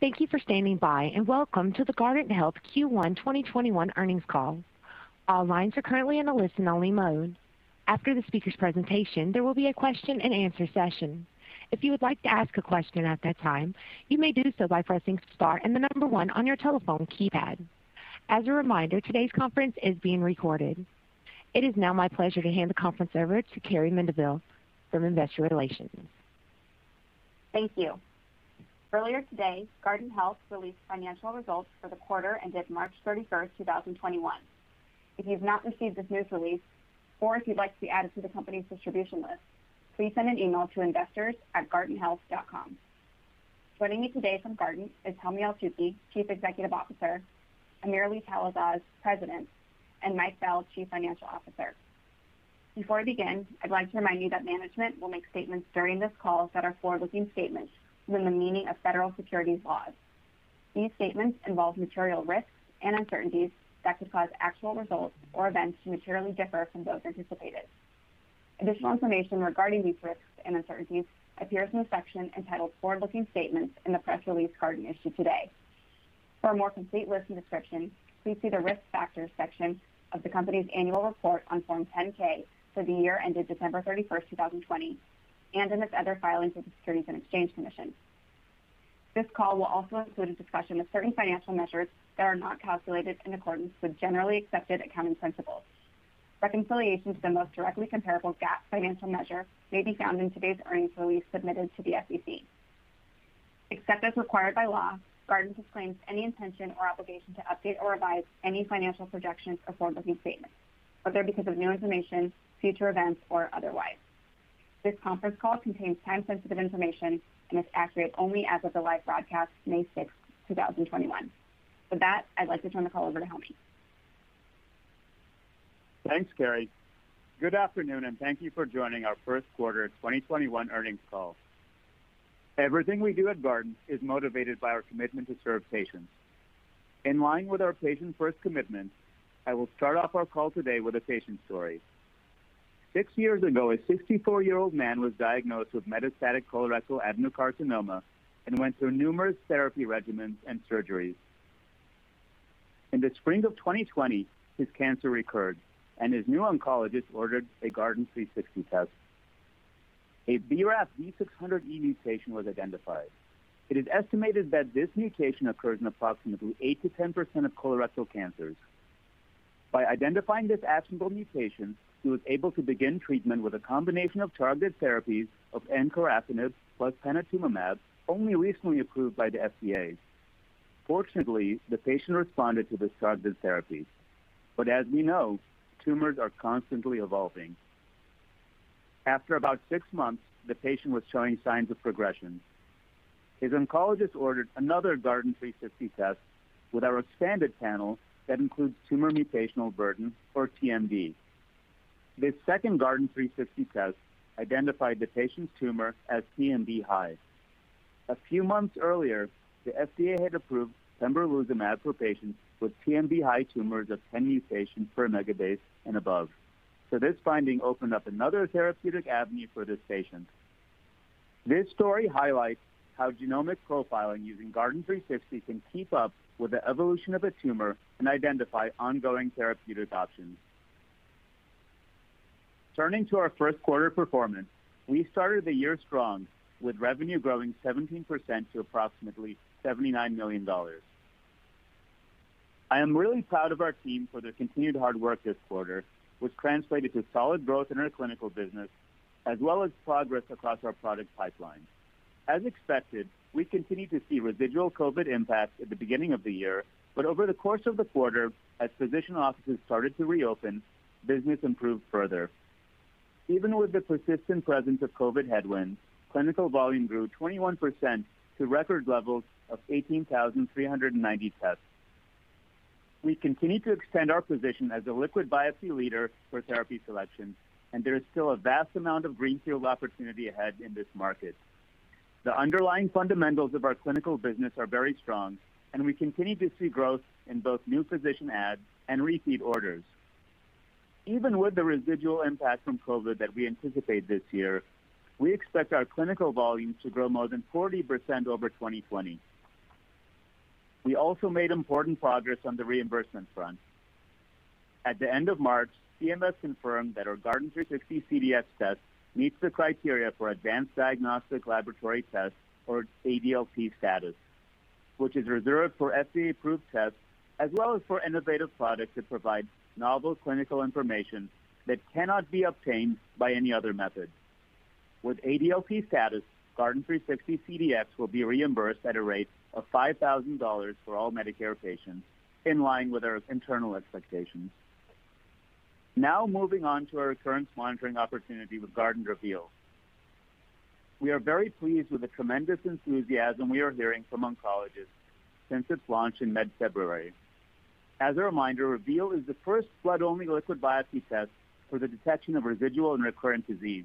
Thank you for standing by, and welcome to the Guardant Health Q1 2021 earnings call. It is now my pleasure to hand the conference over to Carrie Mendivil from Investor Relations. Thank you. Earlier today, Guardant Health released financial results for the quarter ended March 31st, 2021. If you've not received this news release, or if you'd like to be added to the company's distribution list, please send an email to investors@guardanthealth.com. Joining me today from Guardant is Helmy Eltoukhy, Chief Executive Officer, AmirAli Talasaz, President, and Mike Bell, Chief Financial Officer. Before we begin, I'd like to remind you that management will make statements during this call that are forward-looking statements within the meaning of federal securities laws. These statements involve material risks and uncertainties that could cause actual results or events to materially differ from those anticipated. Additional information regarding these risks and uncertainties appears in the section entitled Forward-Looking Statements in the press release Guardant issued today. For a more complete list and description, please see the Risk Factors section of the company's annual report on Form 10-K for the year ended December 31st, 2020, and in its other filings with the Securities and Exchange Commission. This call will also include a discussion of certain financial measures that are not calculated in accordance with generally accepted accounting principles. Reconciliations to the most directly comparable GAAP financial measure may be found in today's earnings release submitted to the SEC. Except as required by law, Guardant disclaims any intention or obligation to update or revise any financial projections or forward-looking statements, whether because of new information, future events, or otherwise. This conference call contains time-sensitive information and is accurate only as of the live broadcast, May 6th, 2021. With that, I'd like to turn the call over to Helmy. Thanks, Carrie. Good afternoon, and thank you for joining our first quarter 2021 earnings call. Everything we do at Guardant is motivated by our commitment to serve patients. In line with our patient-first commitment, I will start off our call today with a patient story. Six years ago, a 64-year-old man was diagnosed with metastatic colorectal adenocarcinoma and went through numerous therapy regimens and surgeries. In the spring of 2020, his cancer recurred, and his new oncologist ordered a Guardant360 test. A BRAF V600E mutation was identified. It is estimated that this mutation occurs in approximately 8%-10% of colorectal cancers. By identifying this actionable mutation, he was able to begin treatment with a combination of targeted therapies of encorafenib plus panitumumab, only recently approved by the FDA. Fortunately, the patient responded to this targeted therapy. As we know, tumors are constantly evolving. After about six months, the patient was showing signs of progression. His oncologist ordered another Guardant360 test with our expanded panel that includes tumor mutational burden, or TMB. This second Guardant360 test identified the patient's tumor as TMB high. A few months earlier, the FDA had approved pembrolizumab for patients with TMB-high tumors of 10 mutations per megabase and above. This finding opened up another therapeutic avenue for this patient. This story highlights how genomic profiling using Guardant360 can keep up with the evolution of a tumor and identify ongoing therapeutic options. Turning to our first quarter performance, we started the year strong with revenue growing 17% to approximately $79 million. I am really proud of our team for their continued hard work this quarter, which translated to solid growth in our clinical business as well as progress across our product pipeline. As expected, we continue to see residual COVID impacts at the beginning of the year. Over the course of the quarter, as physician offices started to reopen, business improved further. Even with the persistent presence of COVID headwinds, clinical volume grew 21% to record levels of 18,390 tests. We continue to extend our position as a liquid biopsy leader for therapy selection, there is still a vast amount of greenfield opportunity ahead in this market. The underlying fundamentals of our clinical business are very strong, we continue to see growth in both new physician adds and repeat orders. Even with the residual impact from COVID that we anticipate this year, we expect our clinical volumes to grow more than 40% over 2020. We also made important progress on the reimbursement front. At the end of March, CMS confirmed that our Guardant360 CDx test meets the criteria for advanced diagnostic laboratory test, or ADLT status, which is reserved for FDA-approved tests as well as for innovative products that provide novel clinical information that cannot be obtained by any other method. With ADLT status, Guardant360 CDx will be reimbursed at a rate of $5,000 for all Medicare patients, in line with our internal expectations. Now moving on to our recurrence monitoring opportunity with Guardant Reveal. We are very pleased with the tremendous enthusiasm we are hearing from oncologists since its launch in mid-February. As a reminder, Reveal is the first blood-only liquid biopsy test for the detection of residual and recurrent disease.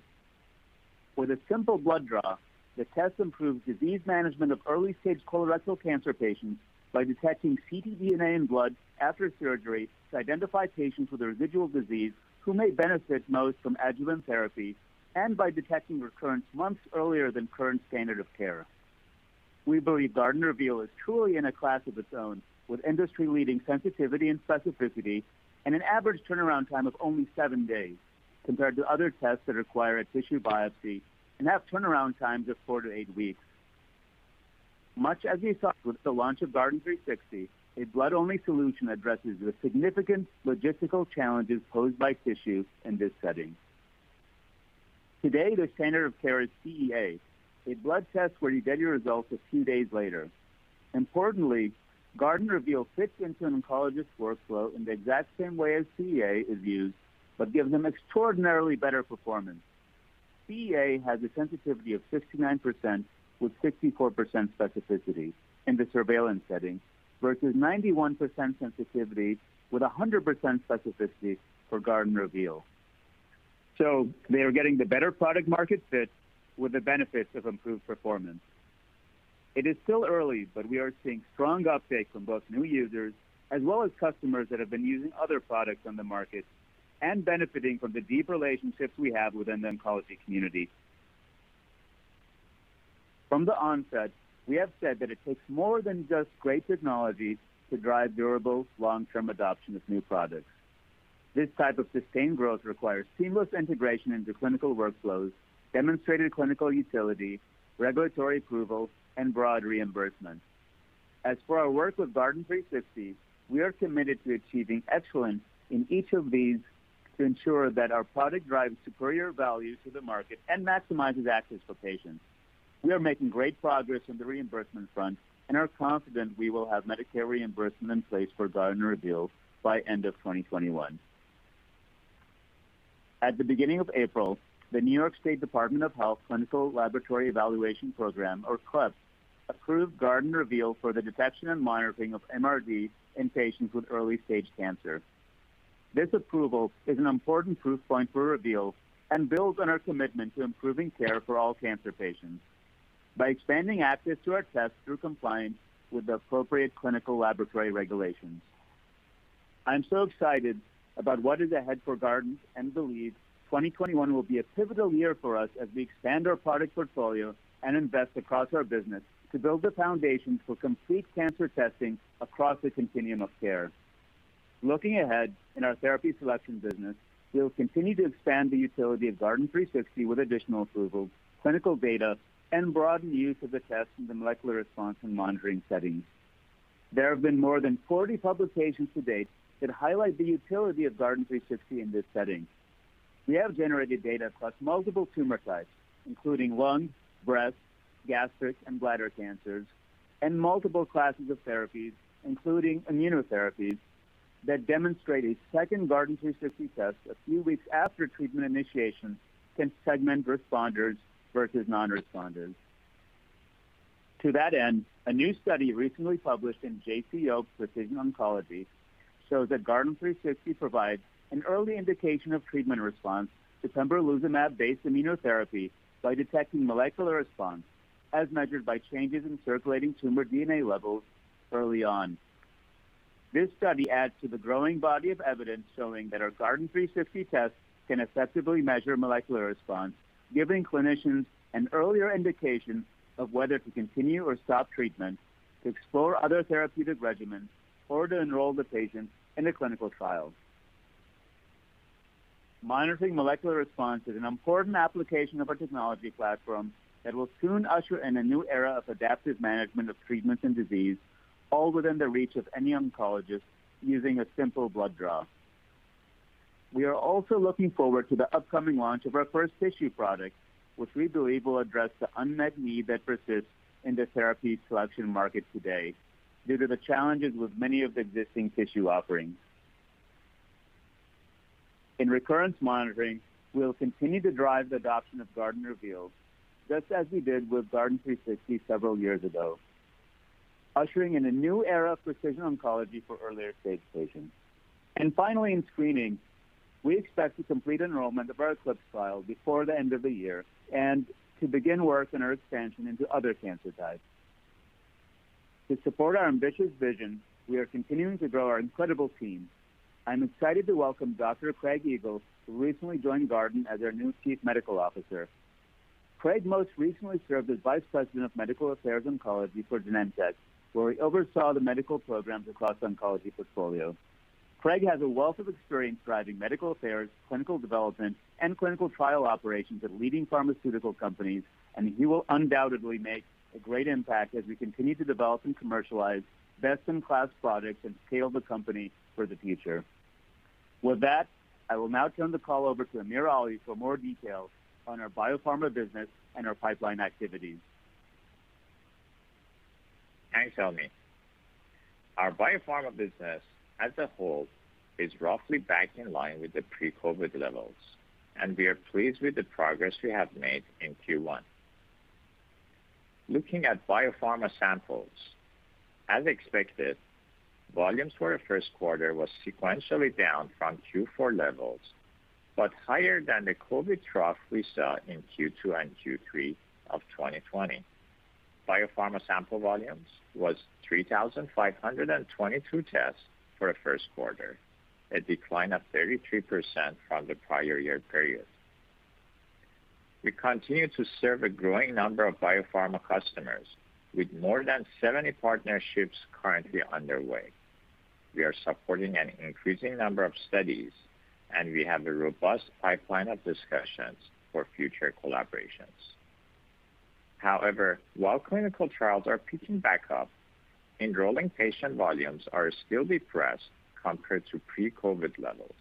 With a simple blood draw, the test improves disease management of early-stage colorectal cancer patients by detecting ctDNA in blood after surgery to identify patients with residual disease who may benefit most from adjuvant therapy, and by detecting recurrence months earlier than current standard of care. We believe Guardant Reveal is truly in a class of its own, with industry-leading sensitivity and specificity, and an average turnaround time of only seven days, compared to other tests that require a tissue biopsy and have turnaround times of four to eight weeks. Much as we saw with the launch of Guardant360, a blood-only solution addresses the significant logistical challenges posed by tissue in this setting. Today, the standard of care is CEA, a blood test where you get your results a few days later. Importantly, Guardant Reveal fits into an oncologist's workflow in the exact same way as CEA is used but gives them extraordinarily better performance. CEA has a sensitivity of 69% with 64% specificity in the surveillance setting, versus 91% sensitivity with 100% specificity for Guardant Reveal. They are getting the better product market fit with the benefits of improved performance. It is still early, but we are seeing strong uptake from both new users as well as customers that have been using other products on the market and benefiting from the deep relationships we have within the oncology community. From the onset, we have said that it takes more than just great technology to drive durable long-term adoption of new products. This type of sustained growth requires seamless integration into clinical workflows, demonstrated clinical utility, regulatory approval, and broad reimbursement. As for our work with Guardant360, we are committed to achieving excellence in each of these to ensure that our product drives superior value to the market and maximizes access for patients. We are making great progress on the reimbursement front and are confident we will have Medicare reimbursement in place for Guardant Reveal by end of 2021. At the beginning of April, the New York State Department of Health Clinical Laboratory Evaluation Program, or CLEP, approved Guardant Reveal for the detection and monitoring of MRD in patients with early-stage cancer. This approval is an important proof point for Reveal and builds on our commitment to improving care for all cancer patients by expanding access to our tests through compliance with the appropriate clinical laboratory regulations. I'm so excited about what is ahead for Guardant and believe 2021 will be a pivotal year for us as we expand our product portfolio and invest across our business to build the foundations for complete cancer testing across the continuum of care. Looking ahead in our therapy selection business, we'll continue to expand the utility of Guardant360 with additional approvals, clinical data, and broaden use of the test in the molecular response and monitoring settings. There have been more than 40 publications to date that highlight the utility of Guardant360 in this setting. We have generated data across multiple tumor types, including lung, breast, gastric, and bladder cancers, and multiple classes of therapies, including immunotherapies, that demonstrate a second Guardant360 test a few weeks after treatment initiation can segment responders versus non-responders. To that end, a new study recently published in JCO Precision Oncology shows that Guardant360 provides an early indication of treatment response to pembrolizumab-based immunotherapy by detecting molecular response as measured by changes in circulating tumor DNA levels early on. This study adds to the growing body of evidence showing that our Guardant360 test can effectively measure molecular response, giving clinicians an earlier indication of whether to continue or stop treatment, to explore other therapeutic regimens, or to enroll the patient in a clinical trial. Monitoring molecular response is an important application of our technology platform that will soon usher in a new era of adaptive management of treatments and disease, all within the reach of any oncologist using a simple blood draw. We are also looking forward to the upcoming launch of our first tissue product, which we believe will address the unmet need that persists in the therapy selection market today due to the challenges with many of the existing tissue offerings. In recurrence monitoring, we'll continue to drive the adoption of Guardant Reveal, just as we did with Guardant360 several years ago, ushering in a new era of precision oncology for earlier-stage patients. Finally, in screening, we expect to complete enrollment of our ECLIPSE trial before the end of the year and to begin work on our expansion into other cancer types. To support our ambitious vision, we are continuing to grow our incredible team. I'm excited to welcome Dr. Craig Eagle, who recently joined Guardant as our new Chief Medical Officer. Craig most recently served as Vice President of Medical Affairs Oncology for Genentech, where he oversaw the medical programs across oncology portfolio. He will undoubtedly make a great impact as we continue to develop and commercialize best-in-class products that scale the company for the future. With that, I will now turn the call over to AmirAli for more details on our biopharma business and our pipeline activities. Thanks, Helmy. Our biopharma business as a whole is roughly back in line with the pre-COVID levels, and we are pleased with the progress we have made in Q1. Looking at biopharma samples, as expected, volumes for the first quarter was sequentially down from Q4 levels, but higher than the COVID trough we saw in Q2 and Q3 of 2020. Biopharma sample volumes was 3,522 tests for the first quarter, a decline of 33% from the prior year period. We continue to serve a growing number of biopharma customers with more than 70 partnerships currently underway. We are supporting an increasing number of studies, and we have a robust pipeline of discussions for future collaborations. However, while clinical trials are picking back up, enrolling patient volumes are still depressed compared to pre-COVID levels,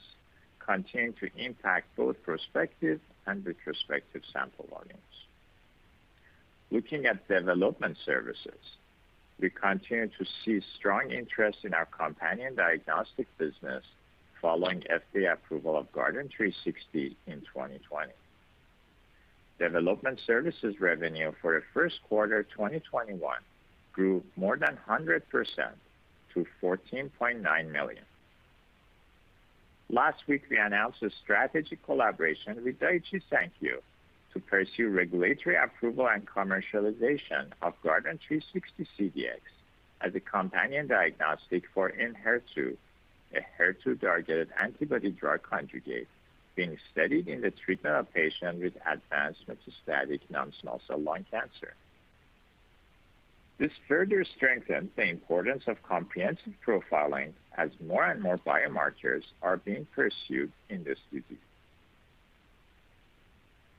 continuing to impact both prospective and retrospective sample volumes. Looking at development services, we continue to see strong interest in our companion diagnostic business following FDA approval of Guardant360 in 2020. Development services revenue for the first quarter 2021 grew more than 100% to $14.9 million. Last week, we announced a strategic collaboration with Daiichi Sankyo to pursue regulatory approval and commercialization of Guardant360 CDx as a companion diagnostic for ENHERTU, a HER2-targeted antibody drug conjugate being studied in the treatment of patients with advanced metastatic non-small cell lung cancer. This further strengthens the importance of comprehensive profiling as more and more biomarkers are being pursued in this disease.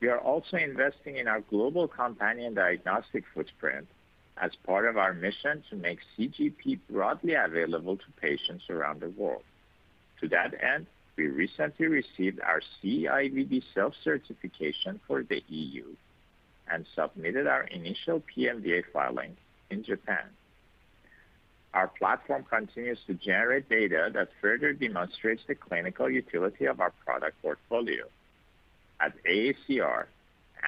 We are also investing in our global companion diagnostic footprint as part of our mission to make CGP broadly available to patients around the world. To that end, we recently received our CE-IVD self-certification for the EU and submitted our initial PMDA filing in Japan. Our platform continues to generate data that further demonstrates the clinical utility of our product portfolio. At AACR,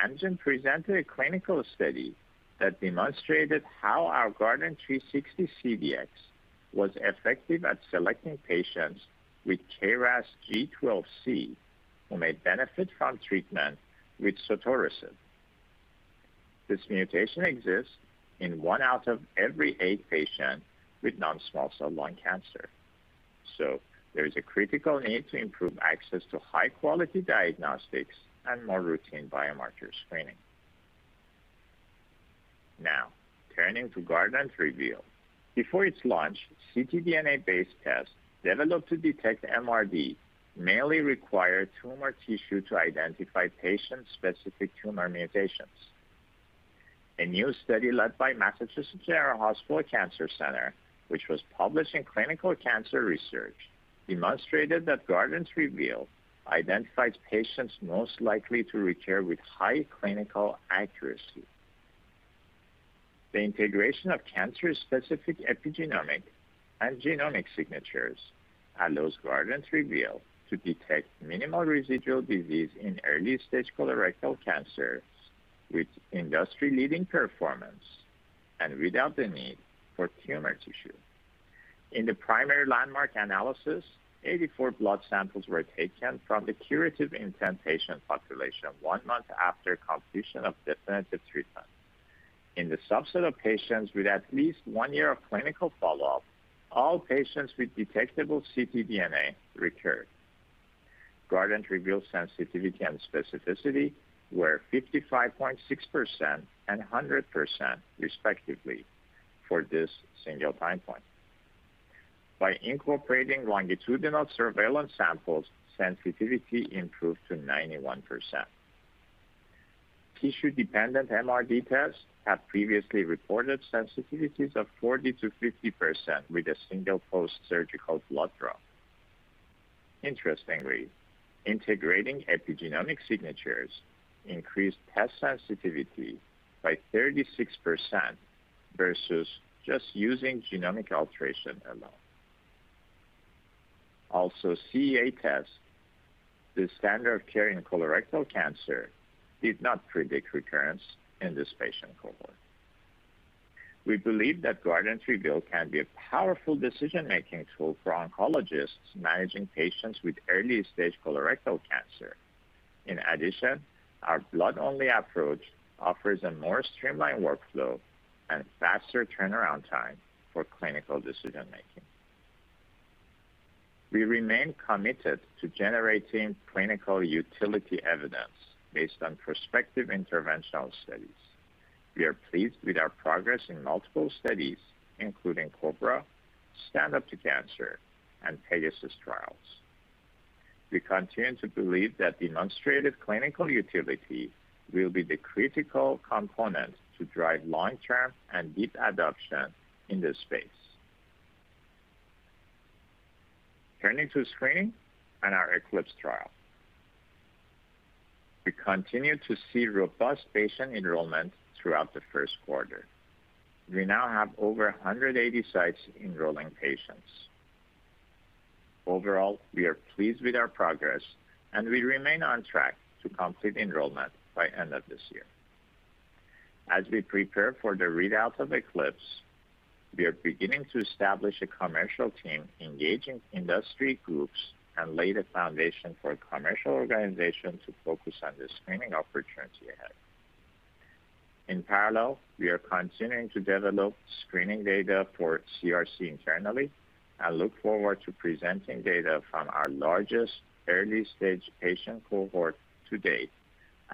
Amgen presented a clinical study that demonstrated how our Guardant360 CDx was effective at selecting patients with KRAS G12C who may benefit from treatment with sotorasib. This mutation exists in one out of every eight patients with non-small cell lung cancer. There is a critical need to improve access to high-quality diagnostics and more routine biomarker screening. Turning to Guardant Reveal. Before its launch, ctDNA-based tests developed to detect MRD mainly required tumor tissue to identify patient-specific tumor mutations. A new study led by Massachusetts General Hospital Cancer Center, which was published in Clinical Cancer Research, demonstrated that Guardant Reveal identifies patients most likely to recur with high clinical accuracy. The integration of cancer-specific epigenomic and genomic signatures allows Guardant Reveal to detect minimal residual disease in early-stage colorectal cancer with industry-leading performance and without the need for tumor tissue. In the primary landmark analysis, 84 blood samples were taken from the curative intent patient population one month after completion of definitive treatment. In the subset of patients with at least one year of clinical follow-up, all patients with detectable ctDNA recurred. Guardant Reveal sensitivity and specificity were 55.6% and 100%, respectively, for this single time point. By incorporating longitudinal surveillance samples, sensitivity improved to 91%. Tissue-dependent MRD tests have previously reported sensitivities of 40%-50% with a single post-surgical blood draw. Interestingly, integrating epigenomic signatures increased test sensitivity by 36% versus just using genomic alteration alone. CEA tests, the standard of care in colorectal cancer, did not predict recurrence in this patient cohort. We believe that Guardant Reveal can be a powerful decision-making tool for oncologists managing patients with early-stage colorectal cancer. In addition, our blood-only approach offers a more streamlined workflow and faster turnaround time for clinical decision-making. We remain committed to generating clinical utility evidence based on prospective interventional studies. We are pleased with our progress in multiple studies, including COBRA, Stand Up To Cancer, and PEGASUS trials. We continue to believe that demonstrated clinical utility will be the critical component to drive long-term and deep adoption in this space. Turning to screening and our ECLIPSE trial. We continued to see robust patient enrollment throughout the first quarter. We now have over 180 sites enrolling patients. Overall, we are pleased with our progress, and we remain on track to complete enrollment by end of this year. As we prepare for the readout of ECLIPSE, we are beginning to establish a commercial team engaging industry groups and lay the foundation for a commercial organization to focus on the screening opportunity ahead. In parallel, we are continuing to develop screening data for CRC internally and look forward to presenting data from our largest early-stage patient cohort to date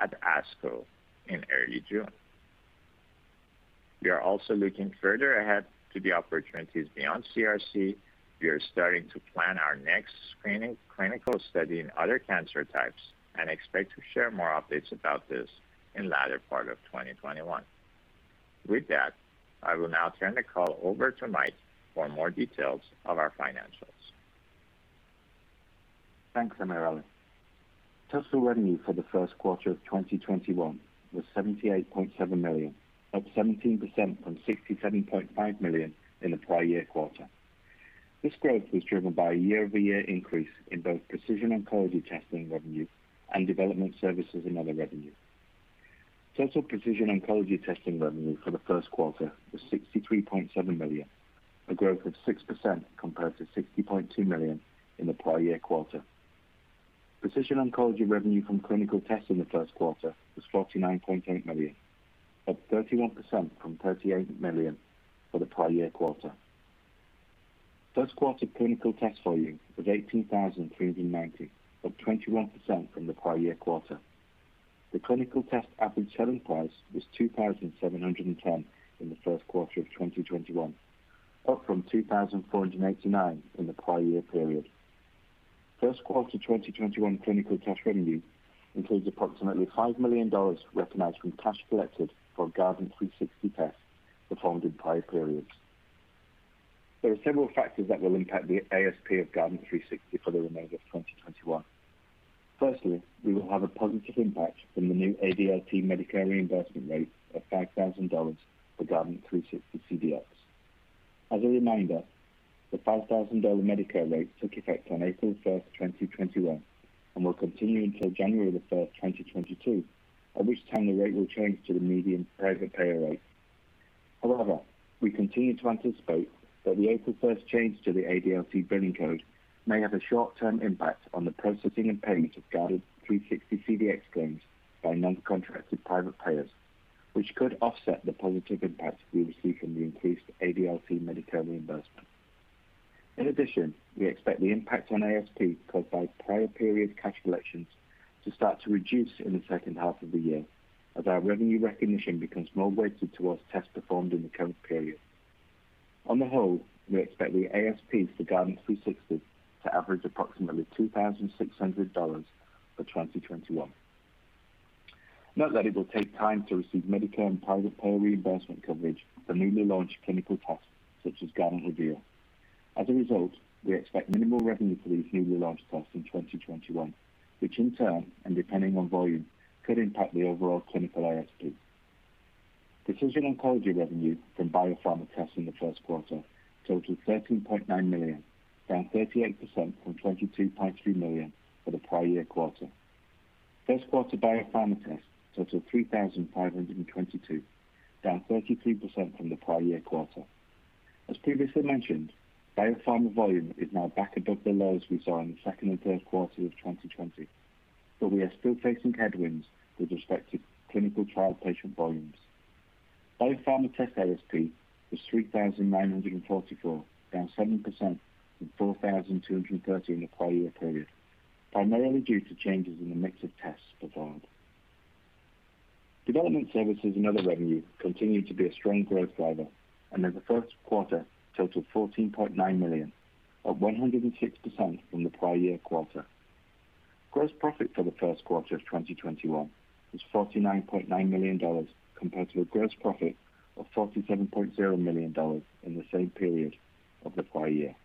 at ASCO in early June. We are also looking further ahead to the opportunities beyond CRC. We are starting to plan our next screening clinical study in other cancer types and expect to share more updates about this in the latter part of 2021. With that, I will now turn the call over to Mike for more details of our financials. Thanks, AmirAli. Total revenue for the first quarter of 2021 was $78.7 million, up 17% from $67.5 million in the prior year quarter. This growth was driven by a year-over-year increase in both precision oncology testing revenue and development services and other revenue. Total precision oncology testing revenue for the first quarter was $63.7 million, a growth of 6% compared to $60.2 million in the prior year quarter. Precision oncology revenue from clinical tests in the first quarter was $49.8 million, up 31% from $38 million for the prior year quarter. First quarter clinical test volume was 18,390, up 21% from the prior year quarter. The clinical test average selling price was $2,710 in the first quarter of 2021, up from $2,489 in the prior year period. First quarter 2021 clinical test revenue includes approximately $5 million recognized from cash collected for Guardant360 tests performed in prior periods. There are several factors that will impact the ASP of Guardant360 for the remainder of 2021. Firstly, we will have a positive impact from the new ADLT Medicare reimbursement rate of $5,000 for Guardant360 CDx. As a reminder, the $5,000 Medicare rate took effect on April 1st, 2021, and will continue until January 1st, 2022, at which time the rate will change to the median private payer rate. We continue to anticipate that the April 1st change to the ADLT billing code may have a short-term impact on the processing and payment of Guardant360 CDx claims by non-contracted private payers, which could offset the positive impact we receive from the increased ADLT Medicare reimbursement. In addition, we expect the impact on ASP caused by prior period cash collections to start to reduce in the second half of the year as our revenue recognition becomes more weighted towards tests performed in the current period. On the whole, we expect the ASPs for Guardant360 to average approximately $2,600 for 2021. Note that it will take time to receive Medicare and private payer reimbursement coverage for newly launched clinical tests such as Guardant Reveal. As a result, we expect minimal revenue for these newly launched tests in 2021, which in turn, and depending on volume, could impact the overall clinical ASP. Precision oncology revenue from biopharma tests in the first quarter totaled $13.9 million, down 38% from $22.3 million for the prior year quarter. First quarter biopharma tests totaled 3,522, down 33% from the prior year quarter. As previously mentioned, biopharma volume is now back above the lows we saw in the second and third quarter of 2020, but we are still facing headwinds with respect to clinical trial patient volumes. Biopharma test ASP was $3,944, down 7% from $4,230 in the prior year period, primarily due to changes in the mix of tests performed. Development services and other revenue continued to be a strong growth driver and in the first quarter totaled $14.9 million, up 106% from the prior year quarter. Gross profit for the first quarter of 2021 was $49.9 million, compared to a gross profit of $47.0 million in the same period of the prior year.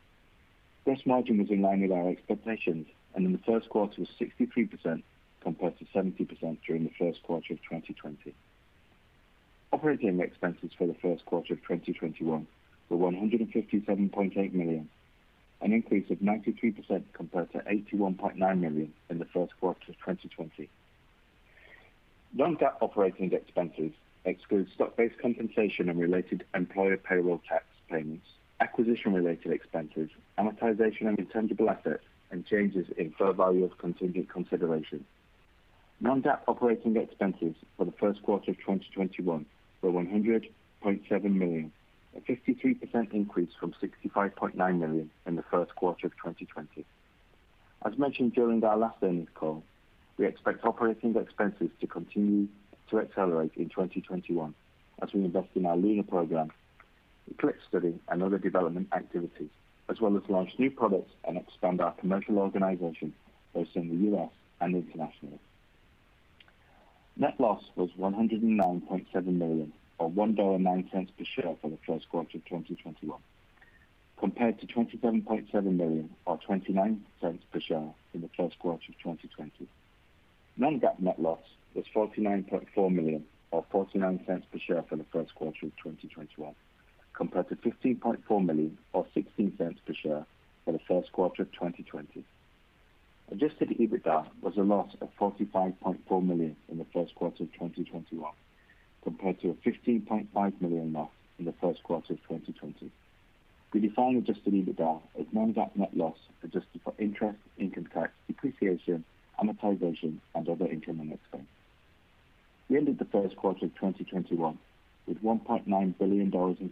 Gross margin was in line with our expectations, and in the first quarter was 63% compared to 70% during the first quarter of 2020. Operating expenses for the first quarter of 2021 were $157.8 million, an increase of 93% compared to $81.9 million in the first quarter of 2020. Non-GAAP operating expenses exclude stock-based compensation and related employer payroll tax payments, acquisition-related expenses, amortization of intangible assets, and changes in fair value of contingent consideration. Non-GAAP operating expenses for the first quarter of 2021 were $100.7 million, a 53% increase from $65.9 million in the first quarter of 2020. As mentioned during our last earnings call, we expect operating expenses to continue to accelerate in 2021 as we invest in our LUNAR program, the ECLIPSE study, and other development activities, as well as launch new products and expand our commercial organization both in the U.S. and internationally. Net loss was $109.7 million or $1.09 per share for the first quarter of 2021, compared to $27.7 million or $0.29 per share in the first quarter of 2020. Non-GAAP net loss was $49.4 million or $0.49 per share for the first quarter of 2021, compared to $15.4 million or $0.16 per share for the first quarter of 2020. Adjusted EBITDA was a loss of $45.4 million in the first quarter of 2021, compared to a $15.5 million loss in the first quarter of 2020. We define adjusted EBITDA as non-GAAP net loss adjusted for interest, income tax, depreciation, amortization, and other income and expense. We ended the first quarter of 2021 with $1.9 billion in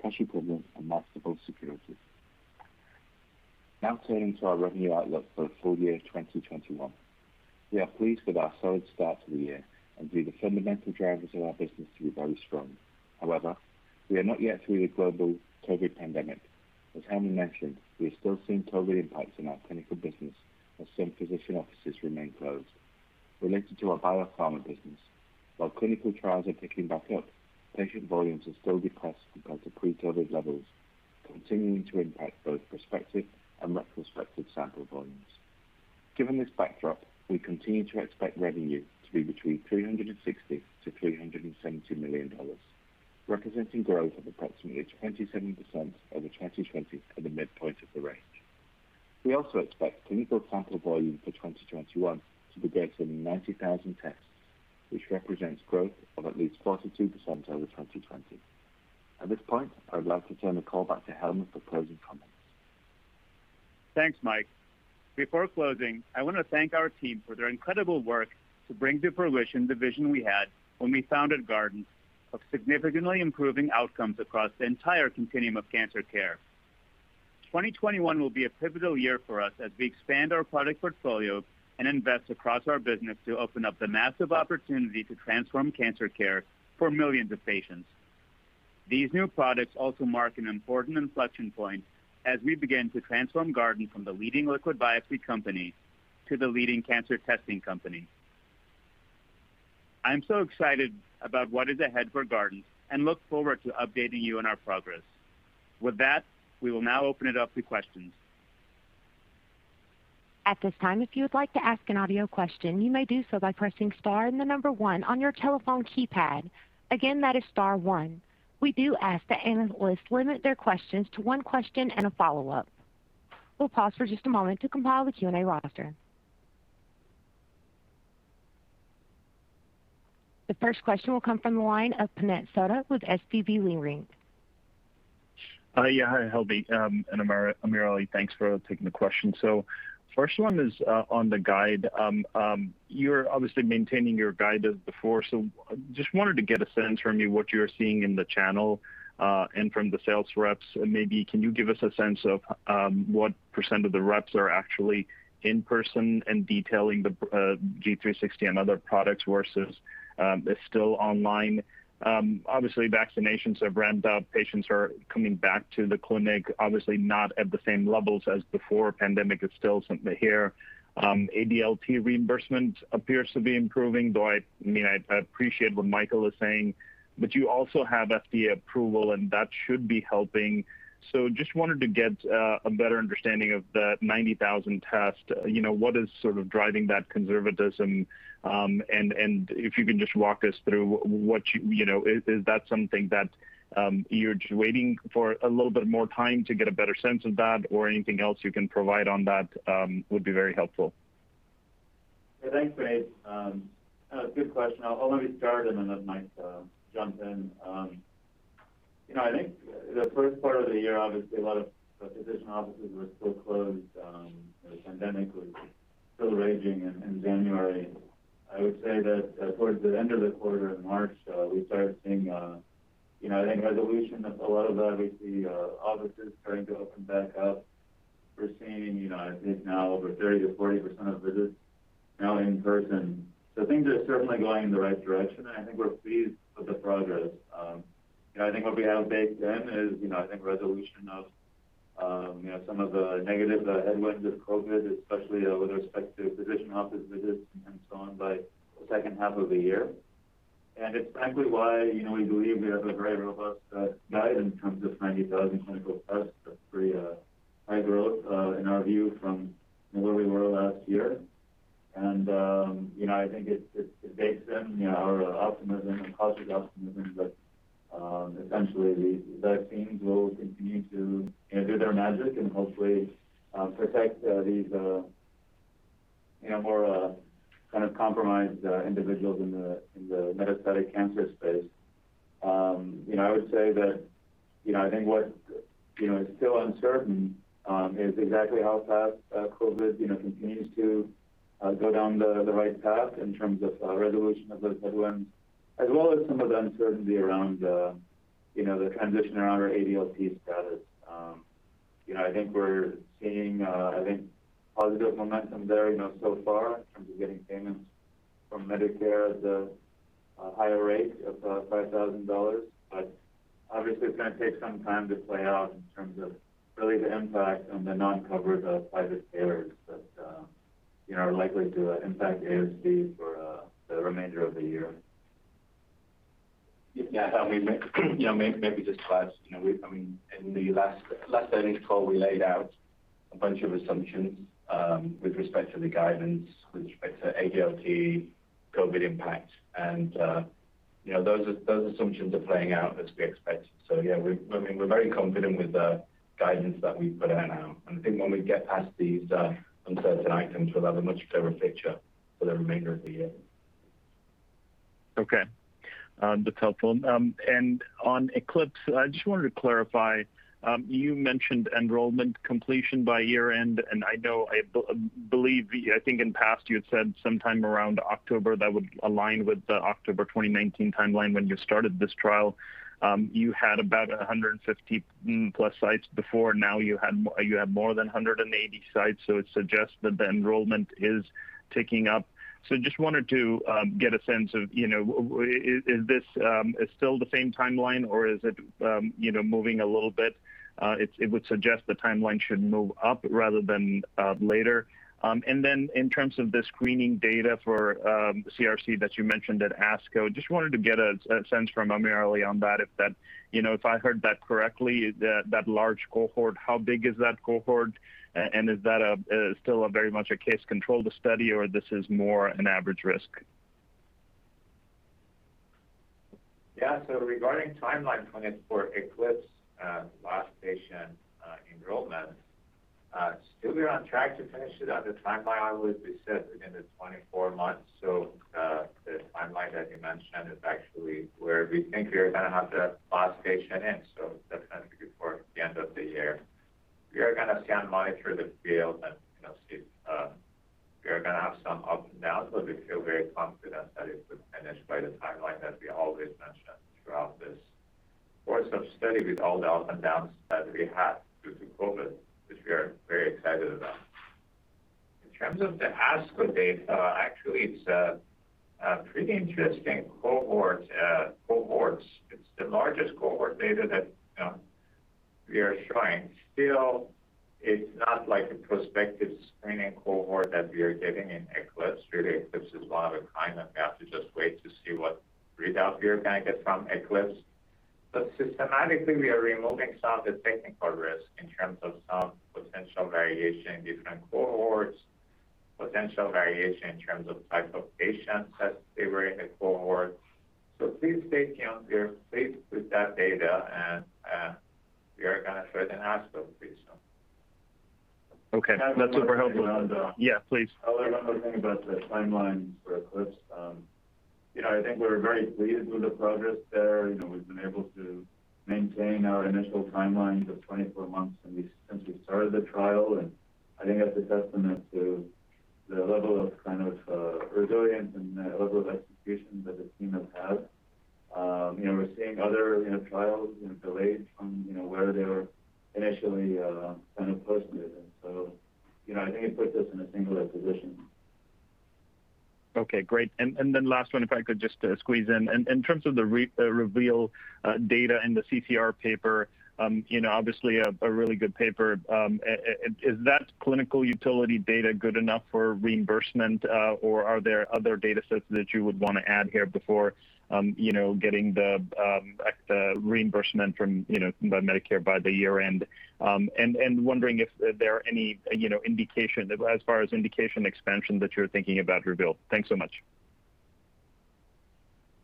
cash equivalents, and marketable securities. Now turning to our revenue outlook for full-year 2021. We are pleased with our solid start to the year and view the fundamental drivers of our business to be very strong. We are not yet through the global COVID pandemic. As Helmy mentioned, we are still seeing COVID impacts in our clinical business as some physician offices remain closed. Related to our biopharma business, while clinical trials are picking back up, patient volumes are still depressed compared to pre-COVID levels, continuing to impact both prospective and retrospective sample volumes. Given this backdrop, we continue to expect revenue to be between $360 million-$370 million, representing growth of approximately 27% over 2020 at the midpoint of the range. We also expect clinical sample volume for 2021 to be greater than 90,000 tests, which represents growth of at least 42% over 2020. At this point, I would like to turn the call back to Helmy for closing comments. Thanks, Mike. Before closing, I want to thank our team for their incredible work to bring to fruition the vision we had when we founded Guardant of significantly improving outcomes across the entire continuum of cancer care. 2021 will be a pivotal year for us as we expand our product portfolio and invest across our business to open up the massive opportunity to transform cancer care for millions of patients. These new products also mark an important inflection point as we begin to transform Guardant from the leading liquid biopsy company to the leading cancer testing company. I'm so excited about what is ahead for Guardant and look forward to updating you on our progress. With that, we will now open it up to questions. At this time, if you would like to ask an audio question, you may do so by pressing star and the number one on your telephone keypad. Again, that is star one. We do ask that analysts limit their questions to one question and a follow-up. We'll pause for just a moment to compile the Q&A roster. The first question will come from the line of Puneet Souda with SVB Leerink. Yeah. Hi, Helmy and AmirAli. Thanks for taking the question. First one is on the guide. You're obviously maintaining your guide as before, so just wanted to get a sense from you what you're seeing in the channel, and from the sales reps. Maybe can you give us a sense of what percent of the reps are actually in person and detailing the G360 and other products versus still online? Obviously, vaccinations have ramped up. Patients are coming back to the clinic, obviously not at the same levels as before. Pandemic is still something here. ADLT reimbursement appears to be improving, though I appreciate what Mike is saying, but you also have FDA approval, and that should be helping. Just wanted to get a better understanding of the 90,000 test. What is driving that conservatism? If you can just walk us through, is that something that you're just waiting for a little bit more time to get a better sense of that or anything else you can provide on that would be very helpful? Yeah. Thanks, Puneet. Good question. I'll maybe start and then let Mike jump in. I think the first part of the year, obviously a lot of physician offices were still closed. The pandemic was still raging in January. I would say that towards the end of the quarter in March, we started seeing, I think, resolution of a lot of, obviously, offices starting to open back up. We're seeing, I think now over 30%-40% of visits now in person. Things are certainly going in the right direction, and I think we're pleased with the progress. I think what we have baked in is, I think resolution of some of the negative headwinds of COVID, especially with respect to physician office visits and so on by the second half of the year. It's frankly why we believe we have a very robust guide in terms of 90,000 clinical tests. That's very high growth, in our view, from where we were last year. I think it's baked in our optimism and cautious optimism that essentially the vaccines will continue to do their magic and hopefully protect these more kind of compromised individuals in the metastatic cancer space. I would say that I think what is still uncertain is exactly how fast COVID continues to go down the right path in terms of resolution of those headwinds as well as some of the uncertainty around the transition around our ADLT status. I think we're seeing positive momentum there so far in terms of getting payments from Medicare at the higher rate of $5,000. Obviously, it's going to take some time to play out in terms of really the impact on the non-covered private payers that are likely to impact ASP for the remainder of the year. Yeah. Helmy, maybe just to add, in the last earnings call, we laid out a bunch of assumptions with respect to the guidance, with respect to ADLT COVID impact, and those assumptions are playing out as we expected. Yeah, we're very confident with the guidance that we've put out now. I think when we get past these uncertain items, we'll have a much clearer picture for the remainder of the year. Okay. That's helpful. On ECLIPSE, I just wanted to clarify, you mentioned enrollment completion by year-end, and I think in the past you had said sometime around October that would align with the October 2019 timeline when you started this trial. You had about 150+ sites before. Now you have more than 180 sites, it suggests that the enrollment is ticking up. Just wanted to get a sense of, is this still the same timeline, or is it moving a little bit? It would suggest the timeline should move up rather than later. In terms of the screening data for CRC that you mentioned at ASCO, just wanted to get a sense from AmirAli on that, if I heard that correctly, that large cohort, how big is that cohort and is that still very much a case-controlled study or this is more an average risk? Regarding timeline 24 for ECLIPSE, last patient enrollment, still we are on track to finish it at the timeline I would be set within the 24 months. The timeline that you mentioned is actually where we think we are going to have the last patient in, so definitely before the end of the year. We are going to scan monitor the field and we'll see. We are going to have some ups and downs, we feel very confident that it would finish by the timeline that we always mentioned throughout this course of study with all the ups and downs that we had due to COVID, which we are very excited about. In terms of the ASCO data, actually it's a pretty interesting cohorts. It's the largest cohort data that we are showing. It's not like a prospective screening cohort that we are getting in ECLIPSE. ECLIPSE is one of a kind. We have to just wait to see what readout we are going to get from ECLIPSE. Systematically, we are removing some of the technical risk in terms of some potential variation in different cohorts, potential variation in terms of type of patients that they were in the cohort. Please stay tuned here, please, with that data and we are going to share the ASCO pretty soon. Okay. That's super helpful. One other thing- Yeah, please One more thing about the timelines for ECLIPSE. I think we're very pleased with the progress there. We've been able to maintain our initial timelines of 24 months since we started the trial, and I think that's a testament to the level of resilience and the level of execution that the team has had. We're seeing other trials delayed from where they were initially kind of posted. I think it puts us in a singular position. Okay, great. Last one, if I could just squeeze in. In terms of the Guardant Reveal data and the CTR paper, obviously a really good paper. Is that clinical utility data good enough for reimbursement, or are there other data sets that you would want to add here before getting the reimbursement from Medicare by the year-end? Wondering if there are any indication as far as indication expansion that you're thinking about Guardant Reveal. Thanks so much.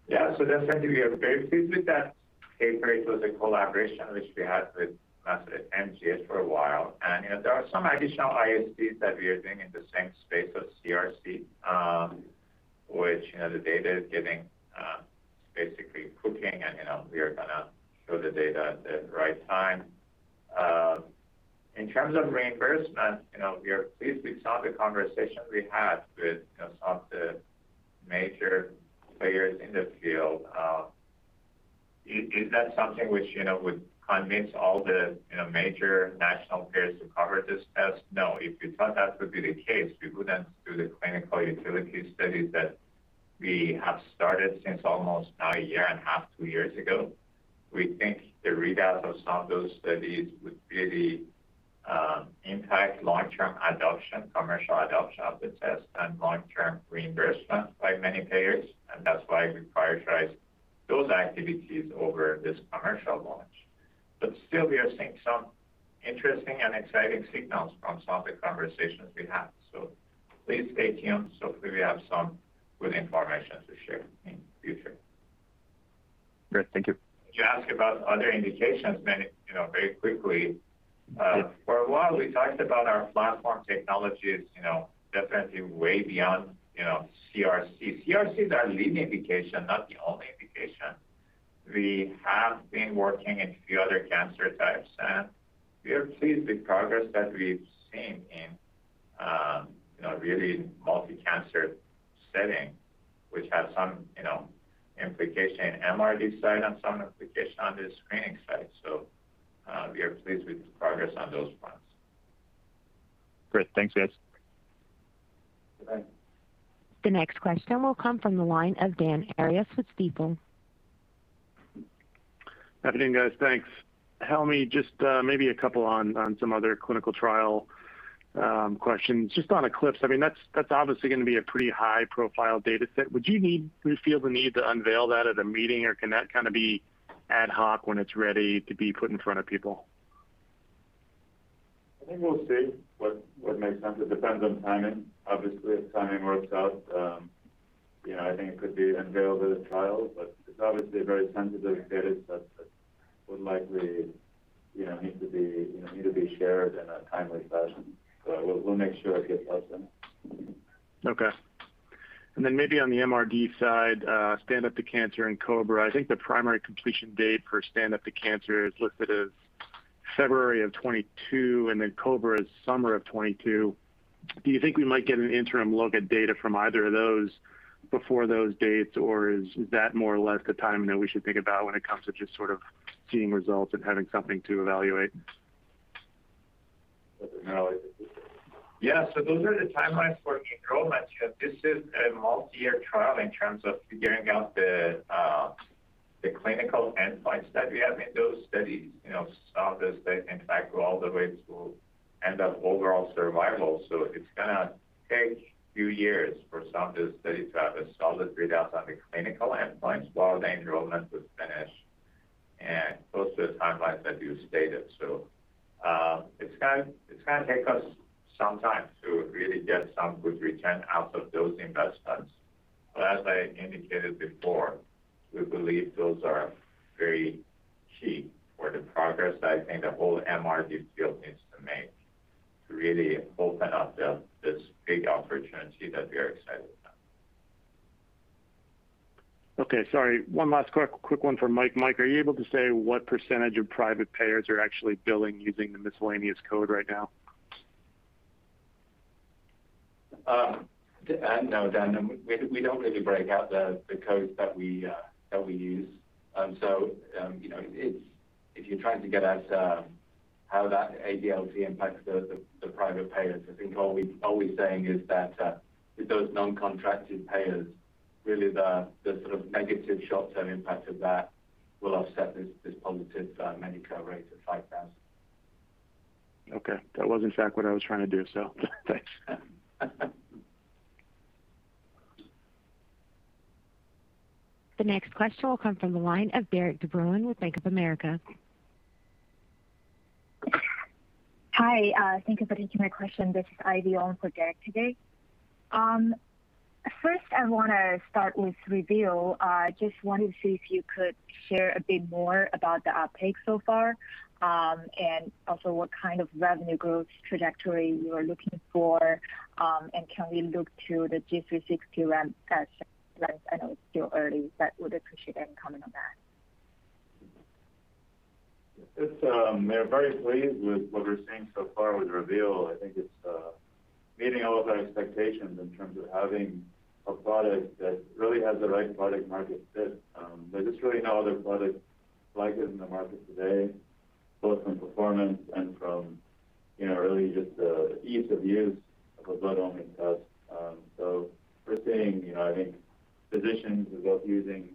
Definitely we are very pleased with that paper. It was a collaboration which we had with MGH for a while. There are some additional ISTs that we are doing in the same space of CRC, which the data is cooking and we are going to show the data at the right time. In terms of reimbursement, we are pleased with some of the conversations we had with some of the major players in the field. Is that something which would convince all the major national payers to cover this test? No. If we thought that would be the case, we wouldn't do the clinical utility studies that we have started since almost now a year and a half, two years ago. We think the readouts of some of those studies would really impact long-term adoption, commercial adoption of the test and long-term reimbursement by many payers. That's why we prioritize those activities over this commercial launch. Still, we are seeing some interesting and exciting signals from some of the conversations we have. Please stay tuned, so if we have some good information to share in future. Great. Thank you. You asked about other indications, then very quickly. Yeah. For a while, we talked about our platform technologies definitely way beyond CRC. CRC is our lead indication, not the only indication. We have been working in a few other cancer types, and we are pleased with progress that we've seen in really multi-cancer setting, which has some implication in MRD side and some implication on the screening side. We are pleased with the progress on those fronts. Great. Thanks, guys. Okay. The next question will come from the line of Dan Arias with Stifel. Good evening, guys. Thanks. Helmy, just maybe a couple on some other clinical trial questions. Just on ECLIPSE, that's obviously going to be a pretty high-profile data set. Would you feel the need to unveil that at a meeting or can that kind of be ad hoc when it's ready to be put in front of people? I think we'll see what makes sense. It depends on timing. Obviously, if timing works out, I think it could be unveiled at a trial, it's obviously a very sensitive data set that would likely need to be shared in a timely fashion. We'll make sure it gets out then. Okay. Maybe on the MRD side, Stand Up To Cancer and COBRA, I think the primary completion date for Stand Up To Cancer is listed as February of 2022, COBRA is summer of 2022. Do you think we might get an interim look at data from either of those before those dates, or is that more or less the time that we should think about when it comes to just sort of seeing results and having something to evaluate? AmirAli? Yeah. Those are the timelines for the enrollments. This is a multi-year trial in terms of figuring out the clinical endpoints that we have in those studies. Some of the studies, in fact, go all the way to end up overall survival. It's going to take a few years for some of the studies to have a solid readout on the clinical endpoints while the enrollment was finished and close to the timelines that you stated. It's going to take us some time to really get some good return out of those investments. As I indicated before, we believe those are very key for the progress that I think the whole MRD field needs to make to really open up this big opportunity that we are excited about. Okay. Sorry. One last quick one for Mike. Mike, are you able to say what percentage of private payers are actually billing using the miscellaneous code right now? No, Dan, we don't really break out the codes that we use. If you're trying to get at how that ADLT impacts the private payers, I think all we're saying is that with those non-contracted payers, really the sort of negative short-term impact of that will offset this positive Medicare rate of $5,000. Okay. That was in fact what I was trying to do. Thanks. The next question will come from the line of Derik De Bruin with Bank of America. Hi. Thank you for taking my question. This is Ivy on for Derik today. First, I want to start with Reveal. Just wanted to see if you could share a bit more about the uptake so far, and also what kind of revenue growth trajectory you are looking for. Can we look to the G360 ramp? I know it's still early, but would appreciate any comment on that. We're very pleased with what we're seeing so far with Reveal. I think it's meeting all of our expectations in terms of having a product that really has the right product market fit. There's just really no other product like it in the market today, both from performance and from really just the ease of use of a blood-only test. We're seeing, I think, physicians who've both using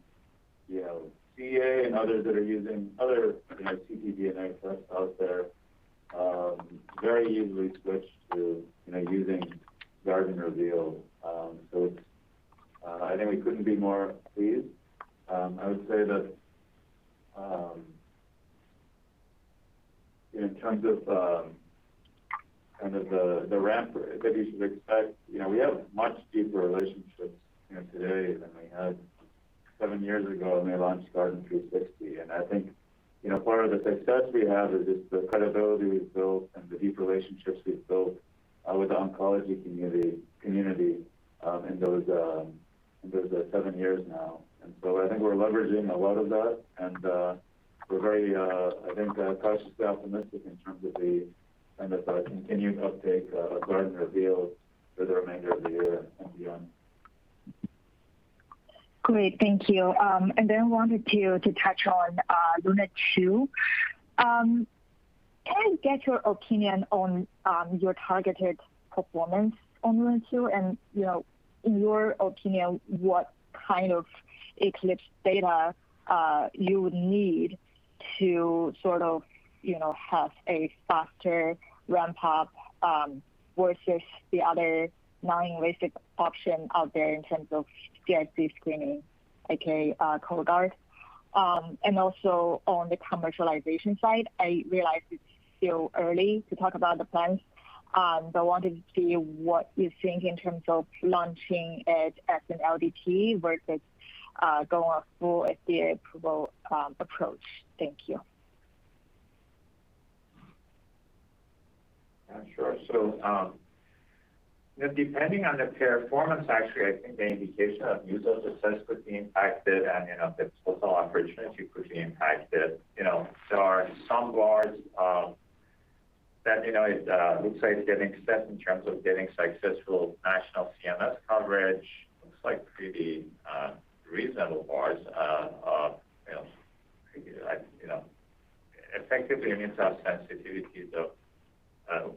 CEA and others that are using other ctDNA tests out there very easily switch to using Guardant Reveal. I think we couldn't be more pleased. I would say that in terms of the ramp that you should expect, we have much deeper relationships today than we had seven years ago when we launched Guardant360. I think part of the success we have is just the credibility we've built and the deep relationships we've built with the oncology community in those seven years now. I think we're leveraging a lot of that and we're very, I think, cautiously optimistic in terms of the continued uptake of Guardant Reveal for the remainder of the year and beyond. Great. Thank you. Wanted to touch on LUNAR-2. Can I get your opinion on your targeted performance on LUNAR-2? In your opinion, what kind of ECLIPSE data you would need to sort of have a faster ramp-up, versus the other non-invasive option out there in terms of CRC screening, aka Cologuard. Also on the commercialization side, I realize it's still early to talk about the plans, but wanted to see what you think in terms of launching it as an LDT versus going a full FDA approval approach. Thank you. Yeah, sure. Depending on the performance, actually, I think the indication of user success could be impacted and the total opportunity could be impacted. There are some bars that it looks like getting set in terms of getting successful national CMS coverage. Looks like pretty reasonable bars of effectively means our sensitivity to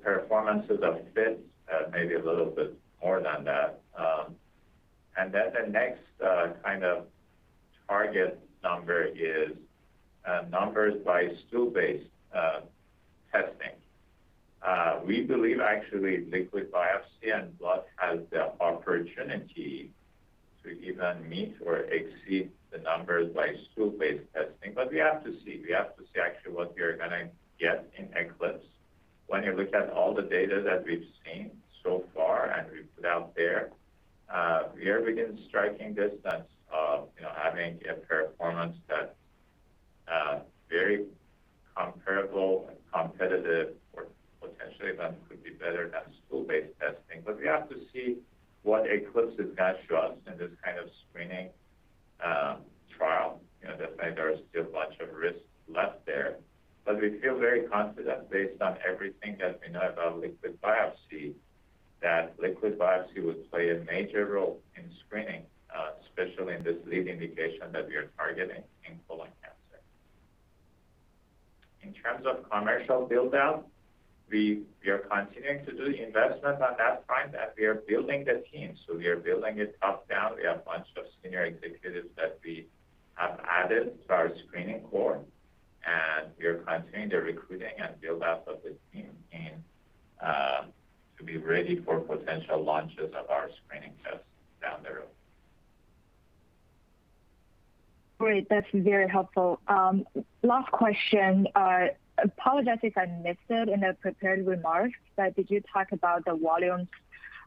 performances of FIT, maybe a little bit more than that. The next kind of target number is numbers by stool-based testing. We believe actually liquid biopsy and blood has the opportunity to even meet or exceed the numbers by stool-based testing. We have to see. We have to see actually what we are going to get in ECLIPSE. When you look at all the data that we've seen so far and we've put out there. We are within striking distance of having a performance that's very comparable and competitive or potentially even could be better than stool-based testing. We have to see what ECLIPSE is going to show us in this kind of screening trial. Definitely, there is still a bunch of risks left there. We feel very confident based on everything that we know about liquid biopsy, that liquid biopsy will play a major role in screening, especially in this lead indication that we are targeting in colon cancer. In terms of commercial build-out, we are continuing to do the investment on that front, that we are building the team. We are building it top-down. We have a bunch of senior executives that we have added to our screening core, and we are continuing the recruiting and build-out of the team to be ready for potential launches of our screening tests down the road. Great. That's very helpful. Last question. I apologize if I missed it in the prepared remarks, but did you talk about the volumes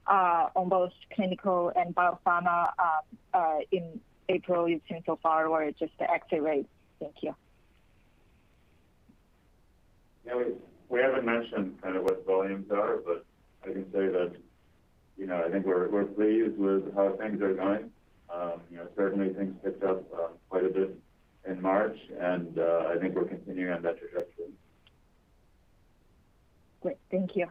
on both clinical and biopharma in April you've seen so far, or just the active rates? Thank you. No, we haven't mentioned what the volumes are, but I can say that I think we're pleased with how things are going. Certainly, things picked up quite a bit in March, and I think we're continuing on that trajectory. Great. Thank you.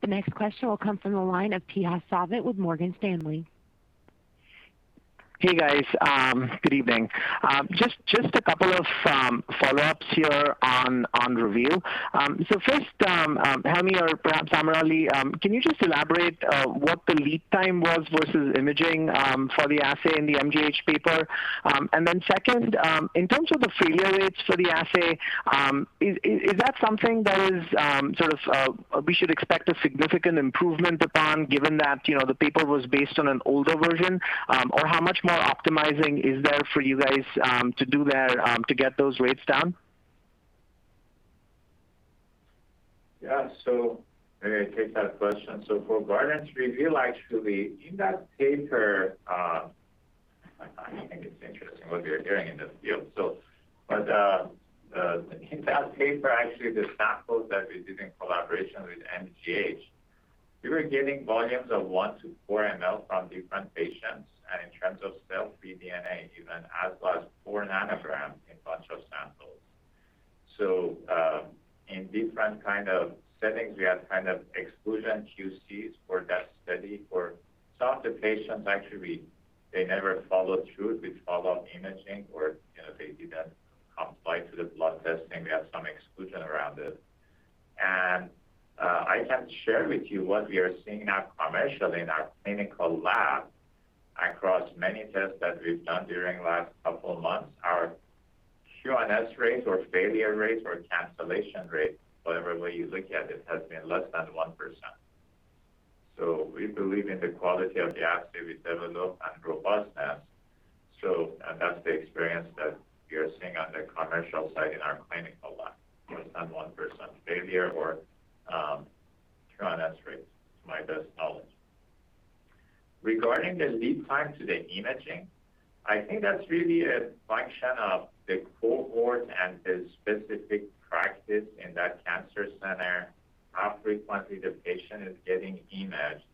The next question will come from the line of Tejas Savant with Morgan Stanley. Hey, guys. Good evening. Just a couple of follow-ups here on Guardant Reveal. First, Helmy or perhaps AmirAli, can you just elaborate what the lead time was versus imaging for the assay in the MGH paper? Then second, in terms of the failure rates for the assay, is that something that we should expect a significant improvement upon given that the paper was based on an older version? How much more optimizing is there for you guys to do there to get those rates down? Let me take that question. For Guardant Reveal, actually. I think it's interesting what we are hearing in this field. In that paper, actually, the samples that we did in collaboration with MGH, we were getting volumes of 1-4 ml from different patients, and in terms of cell-free DNA, even as low as 4 ng in a bunch of samples. In different kind of settings, we had exclusion QCs for that study. For some of the patients, actually, they never followed through with follow-up imaging, or they didn't comply to the blood testing. We had some exclusion around it. I can share with you what we are seeing now commercially in our clinical lab across many tests that we've done during last couple of months. Our QNS rates or failure rates or cancellation rate, whatever way you look at it, has been less than 1%. We believe in the quality of the assay we developed and robustness. That's the experience that we are seeing on the commercial side in our clinical lab, less than 1% failure or QNS rates, to my best knowledge. Regarding the lead time to the imaging, I think that's really a function of the cohort and the specific practice in that cancer center, how frequently the patient is getting imaged.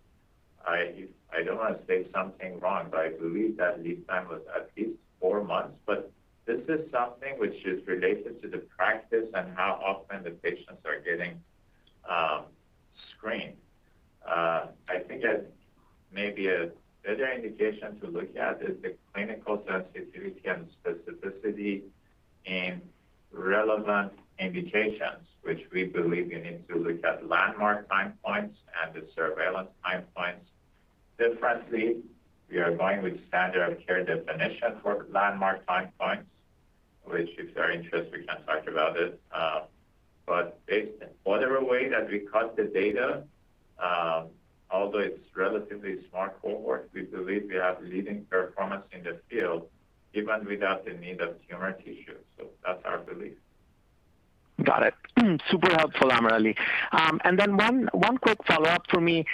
I don't want to state something wrong, but I believe that lead time was at least four months. This is something which is related to the practice and how often the patients are getting screened. I think that maybe a better indication to look at is the clinical sensitivity and specificity in relevant indications, which we believe you need to look at landmark time points and the surveillance time points differently. We are going with standard of care definition for landmark time points, which if there's interest, we can talk about it. Based on whatever way that we cut the data, although it's relatively small cohort, we believe we have leading performance in the field even without the need of tumor tissue. That's our belief. Got it. Super helpful, AmirAli. One quick follow-up for me.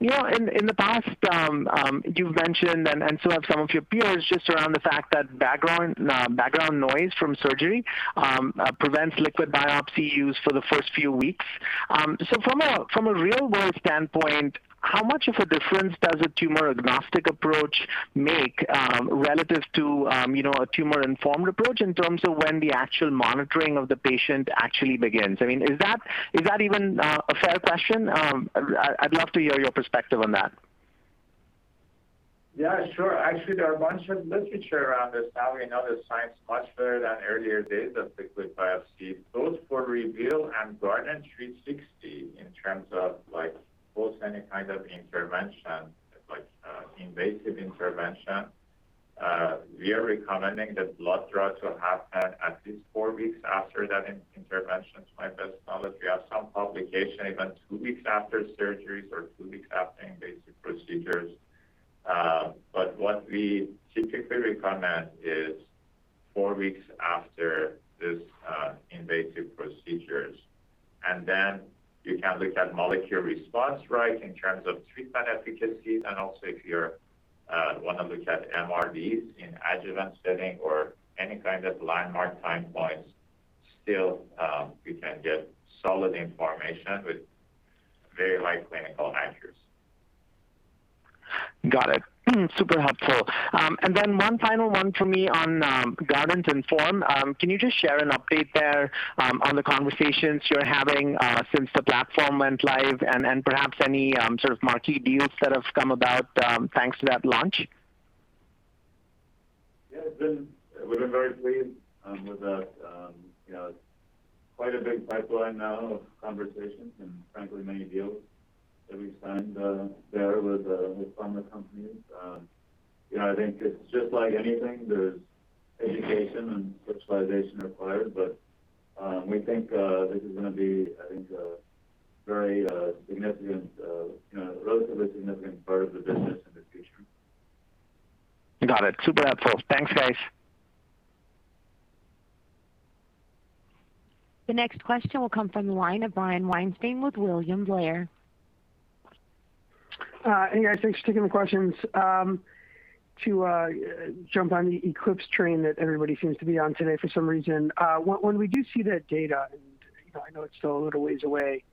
In the past, you've mentioned, and so have some of your peers, just around the fact that background noise from surgery prevents liquid biopsy use for the first few weeks. From a real-world standpoint, how much of a difference does a tumor-agnostic approach make relative to a tumor-informed approach in terms of when the actual monitoring of the patient actually begins? Is that even a fair question? I'd love to hear your perspective on that. Yeah, sure. Actually, there are a bunch of literature around this now. We know the science much better than earlier days of liquid biopsy, both for Reveal and Guardant360 in terms of post any kind of intervention, like invasive intervention. We are recommending that blood draw to happen at least four weeks after that intervention, to my best knowledge. We have some publication even two weeks after surgeries or two weeks after invasive procedures. What we typically recommend is four weeks after these invasive procedures, and then you can look at molecular response in terms of treatment efficacy and also if you want to look at MRD in adjuvant setting or any kind of landmark time points, still, we can get solid information with very light clinical measures. Got it. Super helpful. One final one for me on GuardantINFORM. Can you just share an update there on the conversations you're having since the platform went live and perhaps any sort of marquee deals that have come about thanks to that launch? Yeah. We've been very pleased with that. Quite a big pipeline now of conversations and frankly many deals that we've signed there with pharma companies. I think it's just like anything, there's education and socialization required, but we think this is going to be, I think, a relatively significant part of the business in the future. Got it. Super helpful. Thanks, guys. The next question will come from the line of Brian Weinstein with William Blair. Hey, guys. Thanks for taking the questions. To jump on the ECLIPSE train that everybody seems to be on today for some reason, when we do see that data, and I know it's still a little ways away,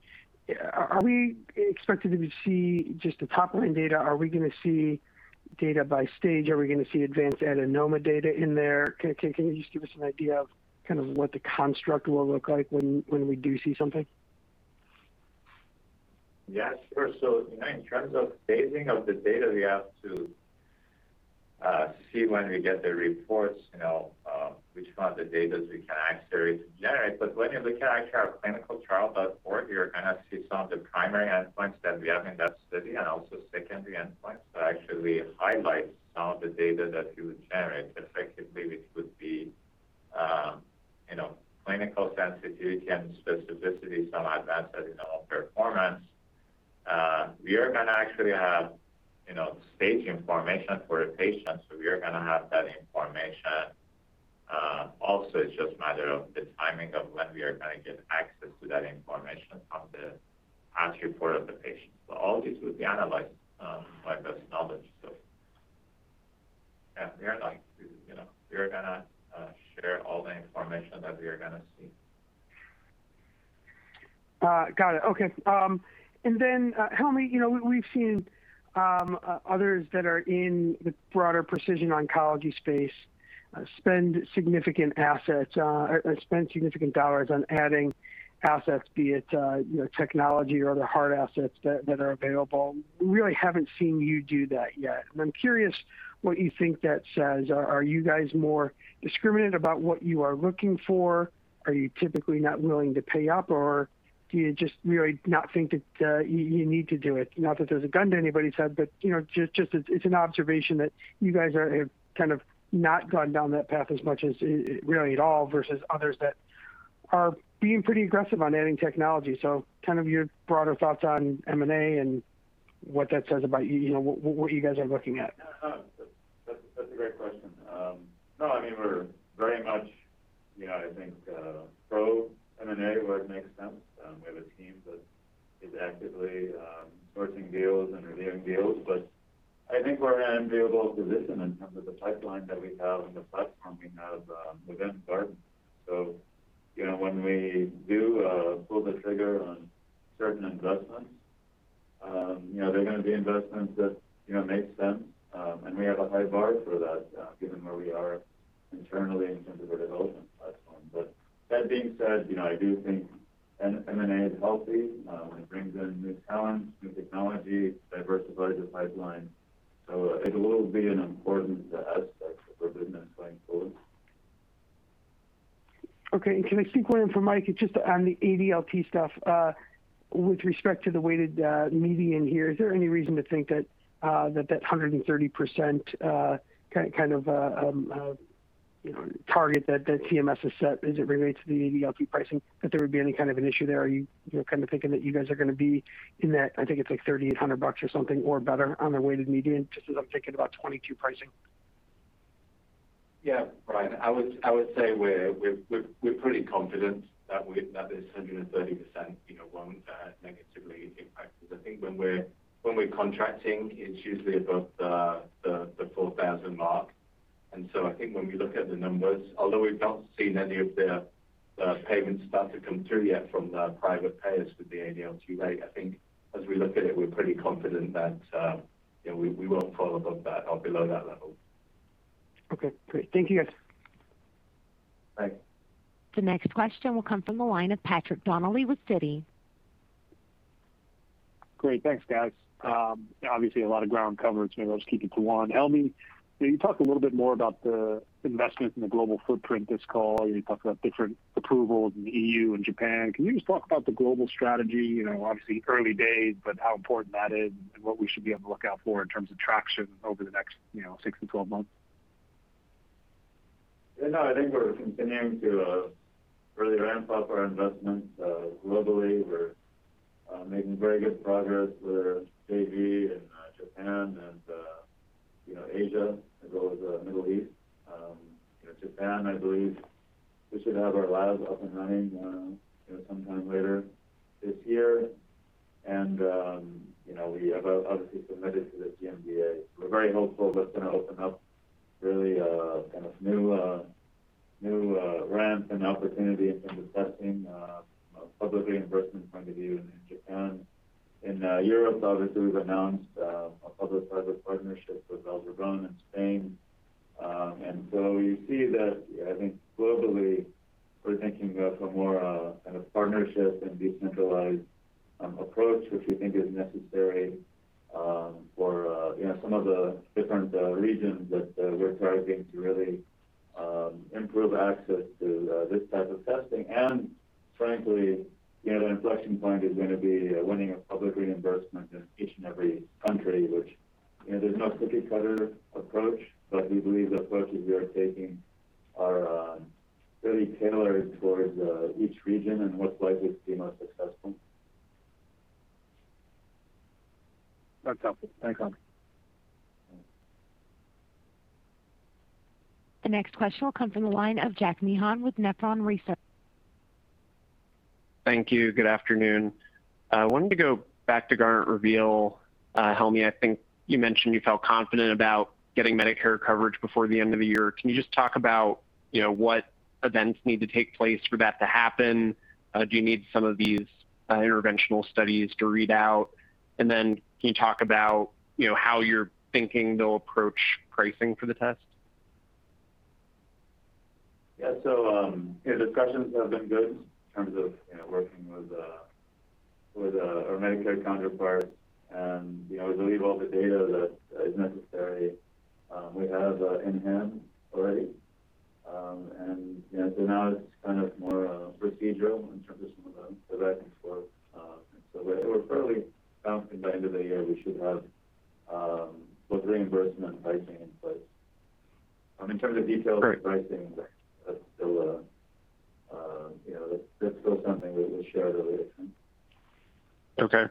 are we expected to see just the top-line data? Are we going to see data by stage? Are we going to see advanced adenoma data in there? Can you just give us an idea of what the construct will look like when we do see something? Yeah, sure. In terms of phasing of the data, we have to see when we get the reports, which kind of the data we can actually generate. When you look at actually our ClinicalTrials.gov, you're going to see some of the primary endpoints that we have in that study and also secondary endpoints that actually highlight some of the data that you generate effectively, which would be clinical sensitivity and specificity, some advanced adenoma performance. We are going to actually have stage information for the patients. We are going to have that information. Also, it's just a matter of the timing of when we are going to get access to that information from the path report of the patient. All these will be analyzed by best knowledge. Yeah, we are going to share all the information that we are going to see. Got it. Okay. Helmy, we've seen others that are in the broader precision oncology space spend significant dollars on adding assets, be it technology or other hard assets that are available. Really haven't seen you do that yet. I'm curious what you think that says. Are you guys more discriminate about what you are looking for? Are you typically not willing to pay up, or do you just really not think that you need to do it? Not that there's a gun to anybody's head, just it's an observation that you guys have not gone down that path as much as, really at all, versus others that are being pretty aggressive on adding technology. Your broader thoughts on M&A and what that says about what you guys are looking at. That's a great question. No, we're very much I think pro M&A where it makes sense. We have a team that is actively sourcing deals and reviewing deals, I think we're in an enviable position in terms of the pipeline that we have and the platform we have within Guardant. When we do pull the trigger on certain investments, they're going to be investments that make sense. We have a high bar for that given where we are internally in terms of our development platform. That being said, I do think M&A is healthy when it brings in new talent, new technology, diversifies the pipeline. It will be an important aspect of our business going forward. Okay. Can I sneak one in for Mike? It's just on the ADLT stuff. With respect to the weighted median here, is there any reason to think that that 130% kind of target that CMS has set as it relates to the ADLT pricing, that there would be any kind of an issue there? Are you thinking that you guys are going to be in that, I think it's like $3,800 or something or better on the weighted median, just as I'm thinking about 2022 pricing? Yeah. Brian, I would say we're pretty confident that this 130% won't negatively impact us. I think when we're contracting, it's usually above the $4,000 mark. I think when we look at the numbers, although we've not seen any of the payment stuff to come through yet from the private payers with the ADLT rate, I think as we look at it, we're pretty confident that we won't fall above that or below that level. Okay, great. Thank you, guys. Thanks. The next question will come from the line of Patrick Donnelly with Citi. Great. Thanks, guys. Obviously, a lot of ground covered, so maybe I'll just keep it to one. Helmy, can you talk a little bit more about the investment in the global footprint this call? You talked about different approvals in the EU and Japan. Can you just talk about the global strategy? Obviously early days, but how important that is and what we should be on the lookout for in terms of traction over the next 6-12 months. No, I think we're continuing to really ramp up our investments globally. We're making very good progress with our JV in Japan and Asia, as well as Middle East. Japan, I believe we should have our labs up and running sometime later this year. We have obviously submitted to the PMDA. We're very hopeful that's going to open up really a kind of new ramp and opportunity in terms of testing from a public reimbursement point of view in Japan. In Europe, obviously, we've announced a public-private partnership with Vall d'Hebron in Spain. You see that, I think globally, we're thinking of a more of partnership and decentralized approach, which we think is necessary for some of the different regions that we're targeting to really improve access to this type of testing. Frankly, the inflection point is going to be winning a public reimbursement in each and every country, which there's no cookie cutter approach, but we believe the approaches we are taking are really tailored towards each region and what's likely to be most successful. That's helpful. Thanks, Helmy. The next question will come from the line of Jack Meehan with Nephron Research. Thank you. Good afternoon. I wanted to go back to Guardant Reveal. Helmy, I think you mentioned you felt confident about getting Medicare coverage before the end of the year. Can you just talk about what events need to take place for that to happen? Do you need some of these interventional studies to read out? Can you talk about how you're thinking they'll approach pricing for the test? Yeah. The discussions have been good in terms of working with our Medicare counterpart and I believe all the data that is necessary we have in hand already. Now it's kind of more procedural in terms of some of the back and forth. We're fairly confident by end of the year we should have both reimbursement and pricing in place. In terms of details- Right. Of pricing, that's still something we'll share at a later time. Okay.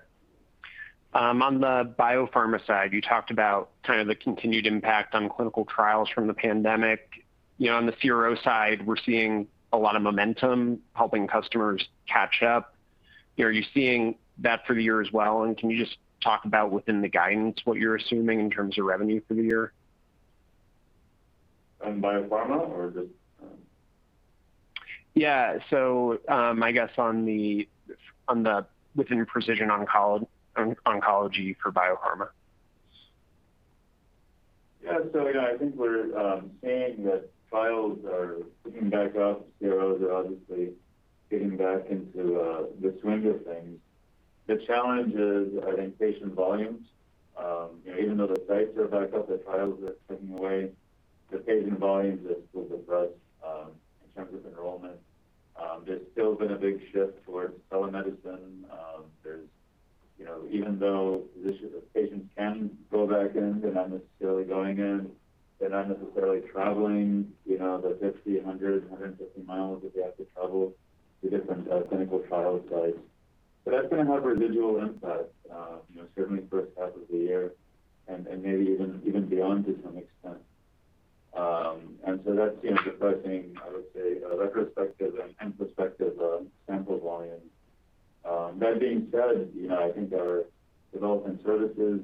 On the biopharma side, you talked about the continued impact on clinical trials from the pandemic. On the CRO side, we're seeing a lot of momentum helping customers catch up. Are you seeing that for the year as well, and can you just talk about within the guidance, what you're assuming in terms of revenue for the year? On biopharma or just- Yeah. I guess within precision oncology for biopharma. Yeah. Yeah, I think we're seeing that trials are picking back up. CROs are obviously getting back into the swing of things. The challenge is, I think, patient volumes. Even though the sites are back up, the trials are ticking away, the patient volumes have still suppressed in terms of enrollment. There's still been a big shift towards telemedicine. Even though physicians or patients can go back in, they're not necessarily going in, they're not necessarily traveling the 50, 100, 150 mi that they have to travel to different clinical trial sites. That's going to have residual impact, certainly first half of the year and maybe even beyond to some extent. That's depressing, I would say, retrospective and prospective sample volumes. That being said, I think our development services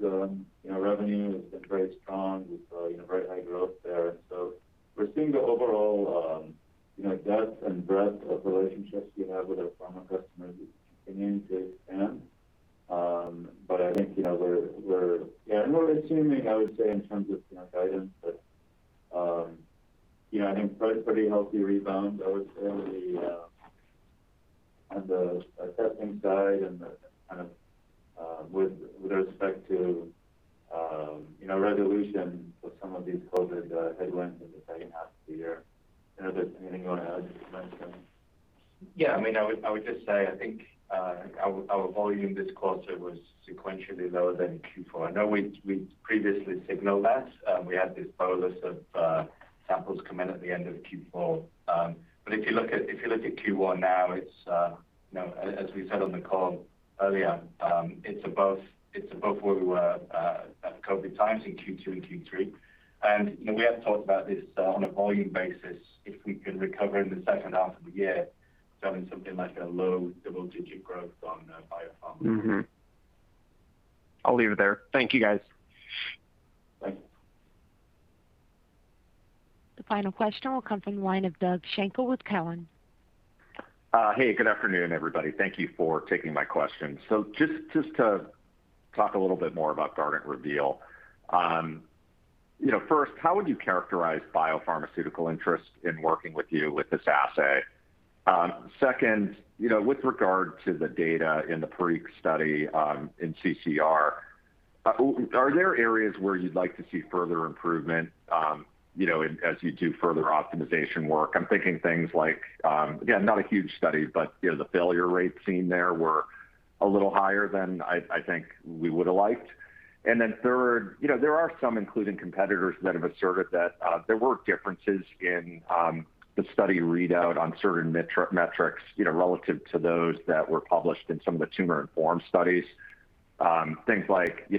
revenue has been very strong with very high growth there. We're seeing the overall depth and breadth of relationships we have with our pharma customers continuing to expand. I think we're assuming, I would say, in terms of guidance, probably pretty healthy rebound, I would say, on the testing side and with respect to resolution for some of these COVID headwinds in the second half of the year. Is there anything you want to add to that, Mike? Yeah. I would just say, I think our volume this quarter was sequentially lower than in Q4. I know we previously signaled that. We had this bolus of samples come in at the end of Q4. If you look at Q1 now, as we said on the call earlier, it's above where we were at COVID times in Q2 and Q3. We have talked about this on a volume basis, if we can recover in the second half of the year, something like a low double-digit growth on biopharma. Mm-hmm. I'll leave it there. Thank you, guys. Thanks. The final question will come from the line of Doug Schenkel with Cowen. Hey, good afternoon, everybody. Thank you for taking my questions. Just to talk a little bit more about Guardant Reveal. First, how would you characterize biopharmaceutical interest in working with you with this assay? Second, with regard to the data in the ECLIPSE study, in CRC, are there areas where you'd like to see further improvement as you do further optimization work? I'm thinking things like, again, not a huge study, but the failure rates seen there were a little higher than I think we would have liked. Third, there are some, including competitors, that have asserted that there were differences in the study readout on certain metrics, relative to those that were published in some of the tumor-informed studies. Things like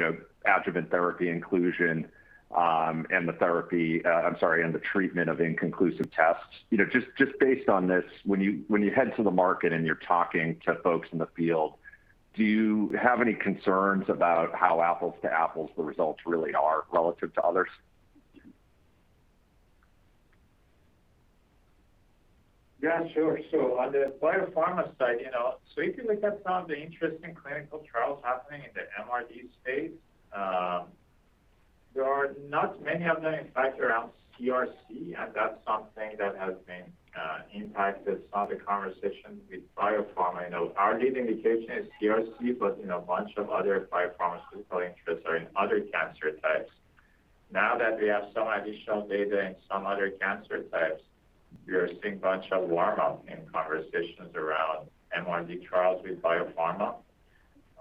adjuvant therapy inclusion, and the therapy, I'm sorry, and the treatment of inconclusive tests. Just based on this, when you head to the market and you're talking to folks in the field, do you have any concerns about how apples-to-apples the results really are relative to others? Yeah, sure. On the biopharma side, if you look at some of the interesting clinical trials happening in the MRD space, there are not many of them, in fact, around CRC, and that's something that has been impacted. Saw the conversation with biopharma. I know our lead indication is CRC, a bunch of other biopharmaceutical interests are in other cancer types. Now that we have some additional data in some other cancer types, we are seeing bunch of warm-up in conversations around MRD trials with biopharma.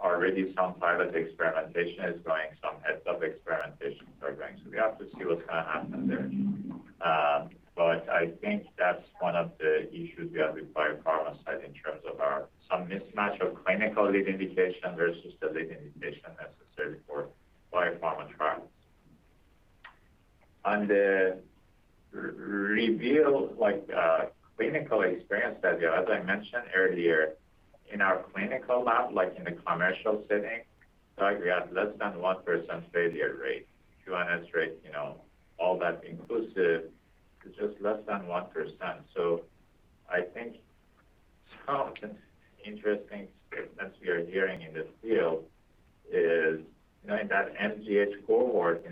Already some private experimentation is going, some heads-up experimentations are going. We have to see what's going to happen there. I think that's one of the issues we have with biopharma side in terms of some mismatch of clinical lead indication versus the lead indication necessary for biopharma trials. On the Reveal clinical experience study, as I mentioned earlier, in our clinical lab, like in the commercial setting, we have less than 1% failure rate. QNS rate, all that inclusive, is just less than 1%. I think some interesting statements we are hearing in this field is, in that MGH cohort,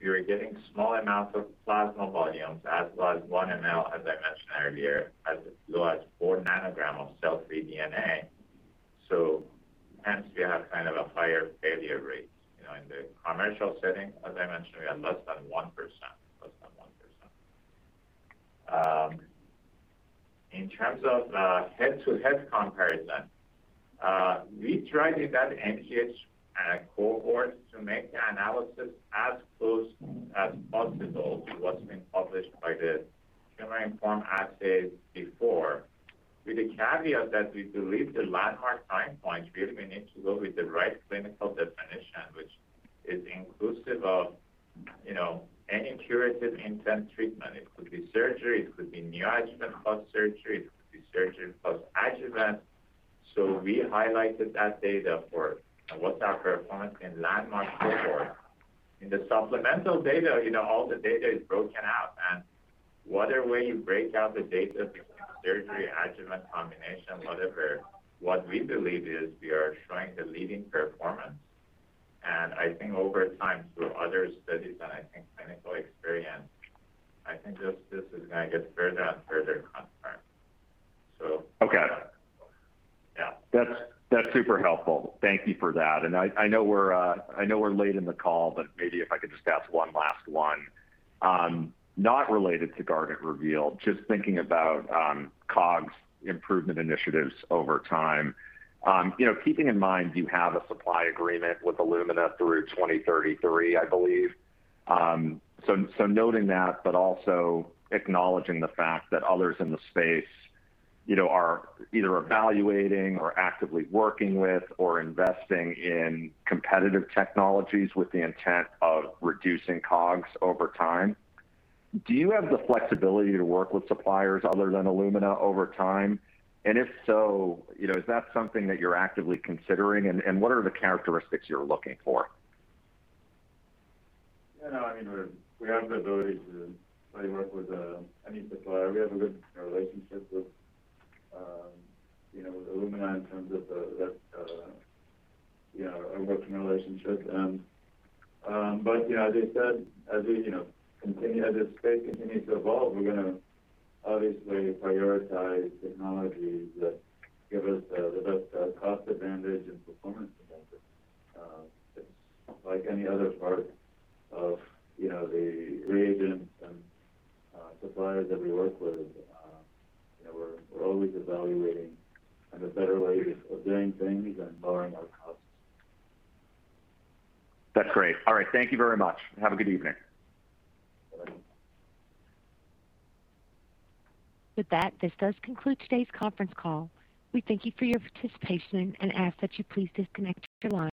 you're getting small amounts of plasma volumes, as low as 1 ml, as I mentioned earlier, as low as 4 ng of cell-free DNA. Hence we have kind of a higher failure rate. In the commercial setting, as I mentioned, we have less than 1%. In terms of head-to-head comparison, we tried with that MGH cohort to make the analysis as close as possible to what's been published by the tumor-informed assays before, with the caveat that we believe the landmark time points, really we need to go with the right clinical definition, which is inclusive of any curative intent treatment. It could be surgery, it could be neoadjuvant plus surgery, it could be surgery plus adjuvant. We highlighted that data for what's our performance in landmark cohort. In the supplemental data, all the data is broken out. Whatever way you break out the data, be it surgery, adjuvant, combination, whatever, what we believe is we are showing the leading performance. I think over time, through other studies and I think clinical experience, I think this is going to get further and further confirmed. Okay. Yeah. That's super helpful. Thank you for that. I know we're late in the call, but maybe if I could just ask one last one, not related to Guardant Reveal, just thinking about COGS improvement initiatives over time. Keeping in mind you have a supply agreement with Illumina through 2033, I believe. Noting that, but also acknowledging the fact that others in the space are either evaluating or actively working with or investing in competitive technologies with the intent of reducing COGS over time, do you have the flexibility to work with suppliers other than Illumina over time? If so, is that something that you're actively considering, and what are the characteristics you're looking for? Yeah, no, we have the ability to work with any supplier. We have a good relationship with Illumina in terms of that working relationship. As I said, as this space continues to evolve, we're going to obviously prioritize technologies that give us the best cost advantage and performance advantage. It's like any other part of the reagents and suppliers that we work with. We're always evaluating kind of better ways of doing things and lowering our costs. That's great. All right. Thank you very much. Have a good evening. With that, this does conclude today's conference call. We thank you for your participation and ask that you please disconnect your lines.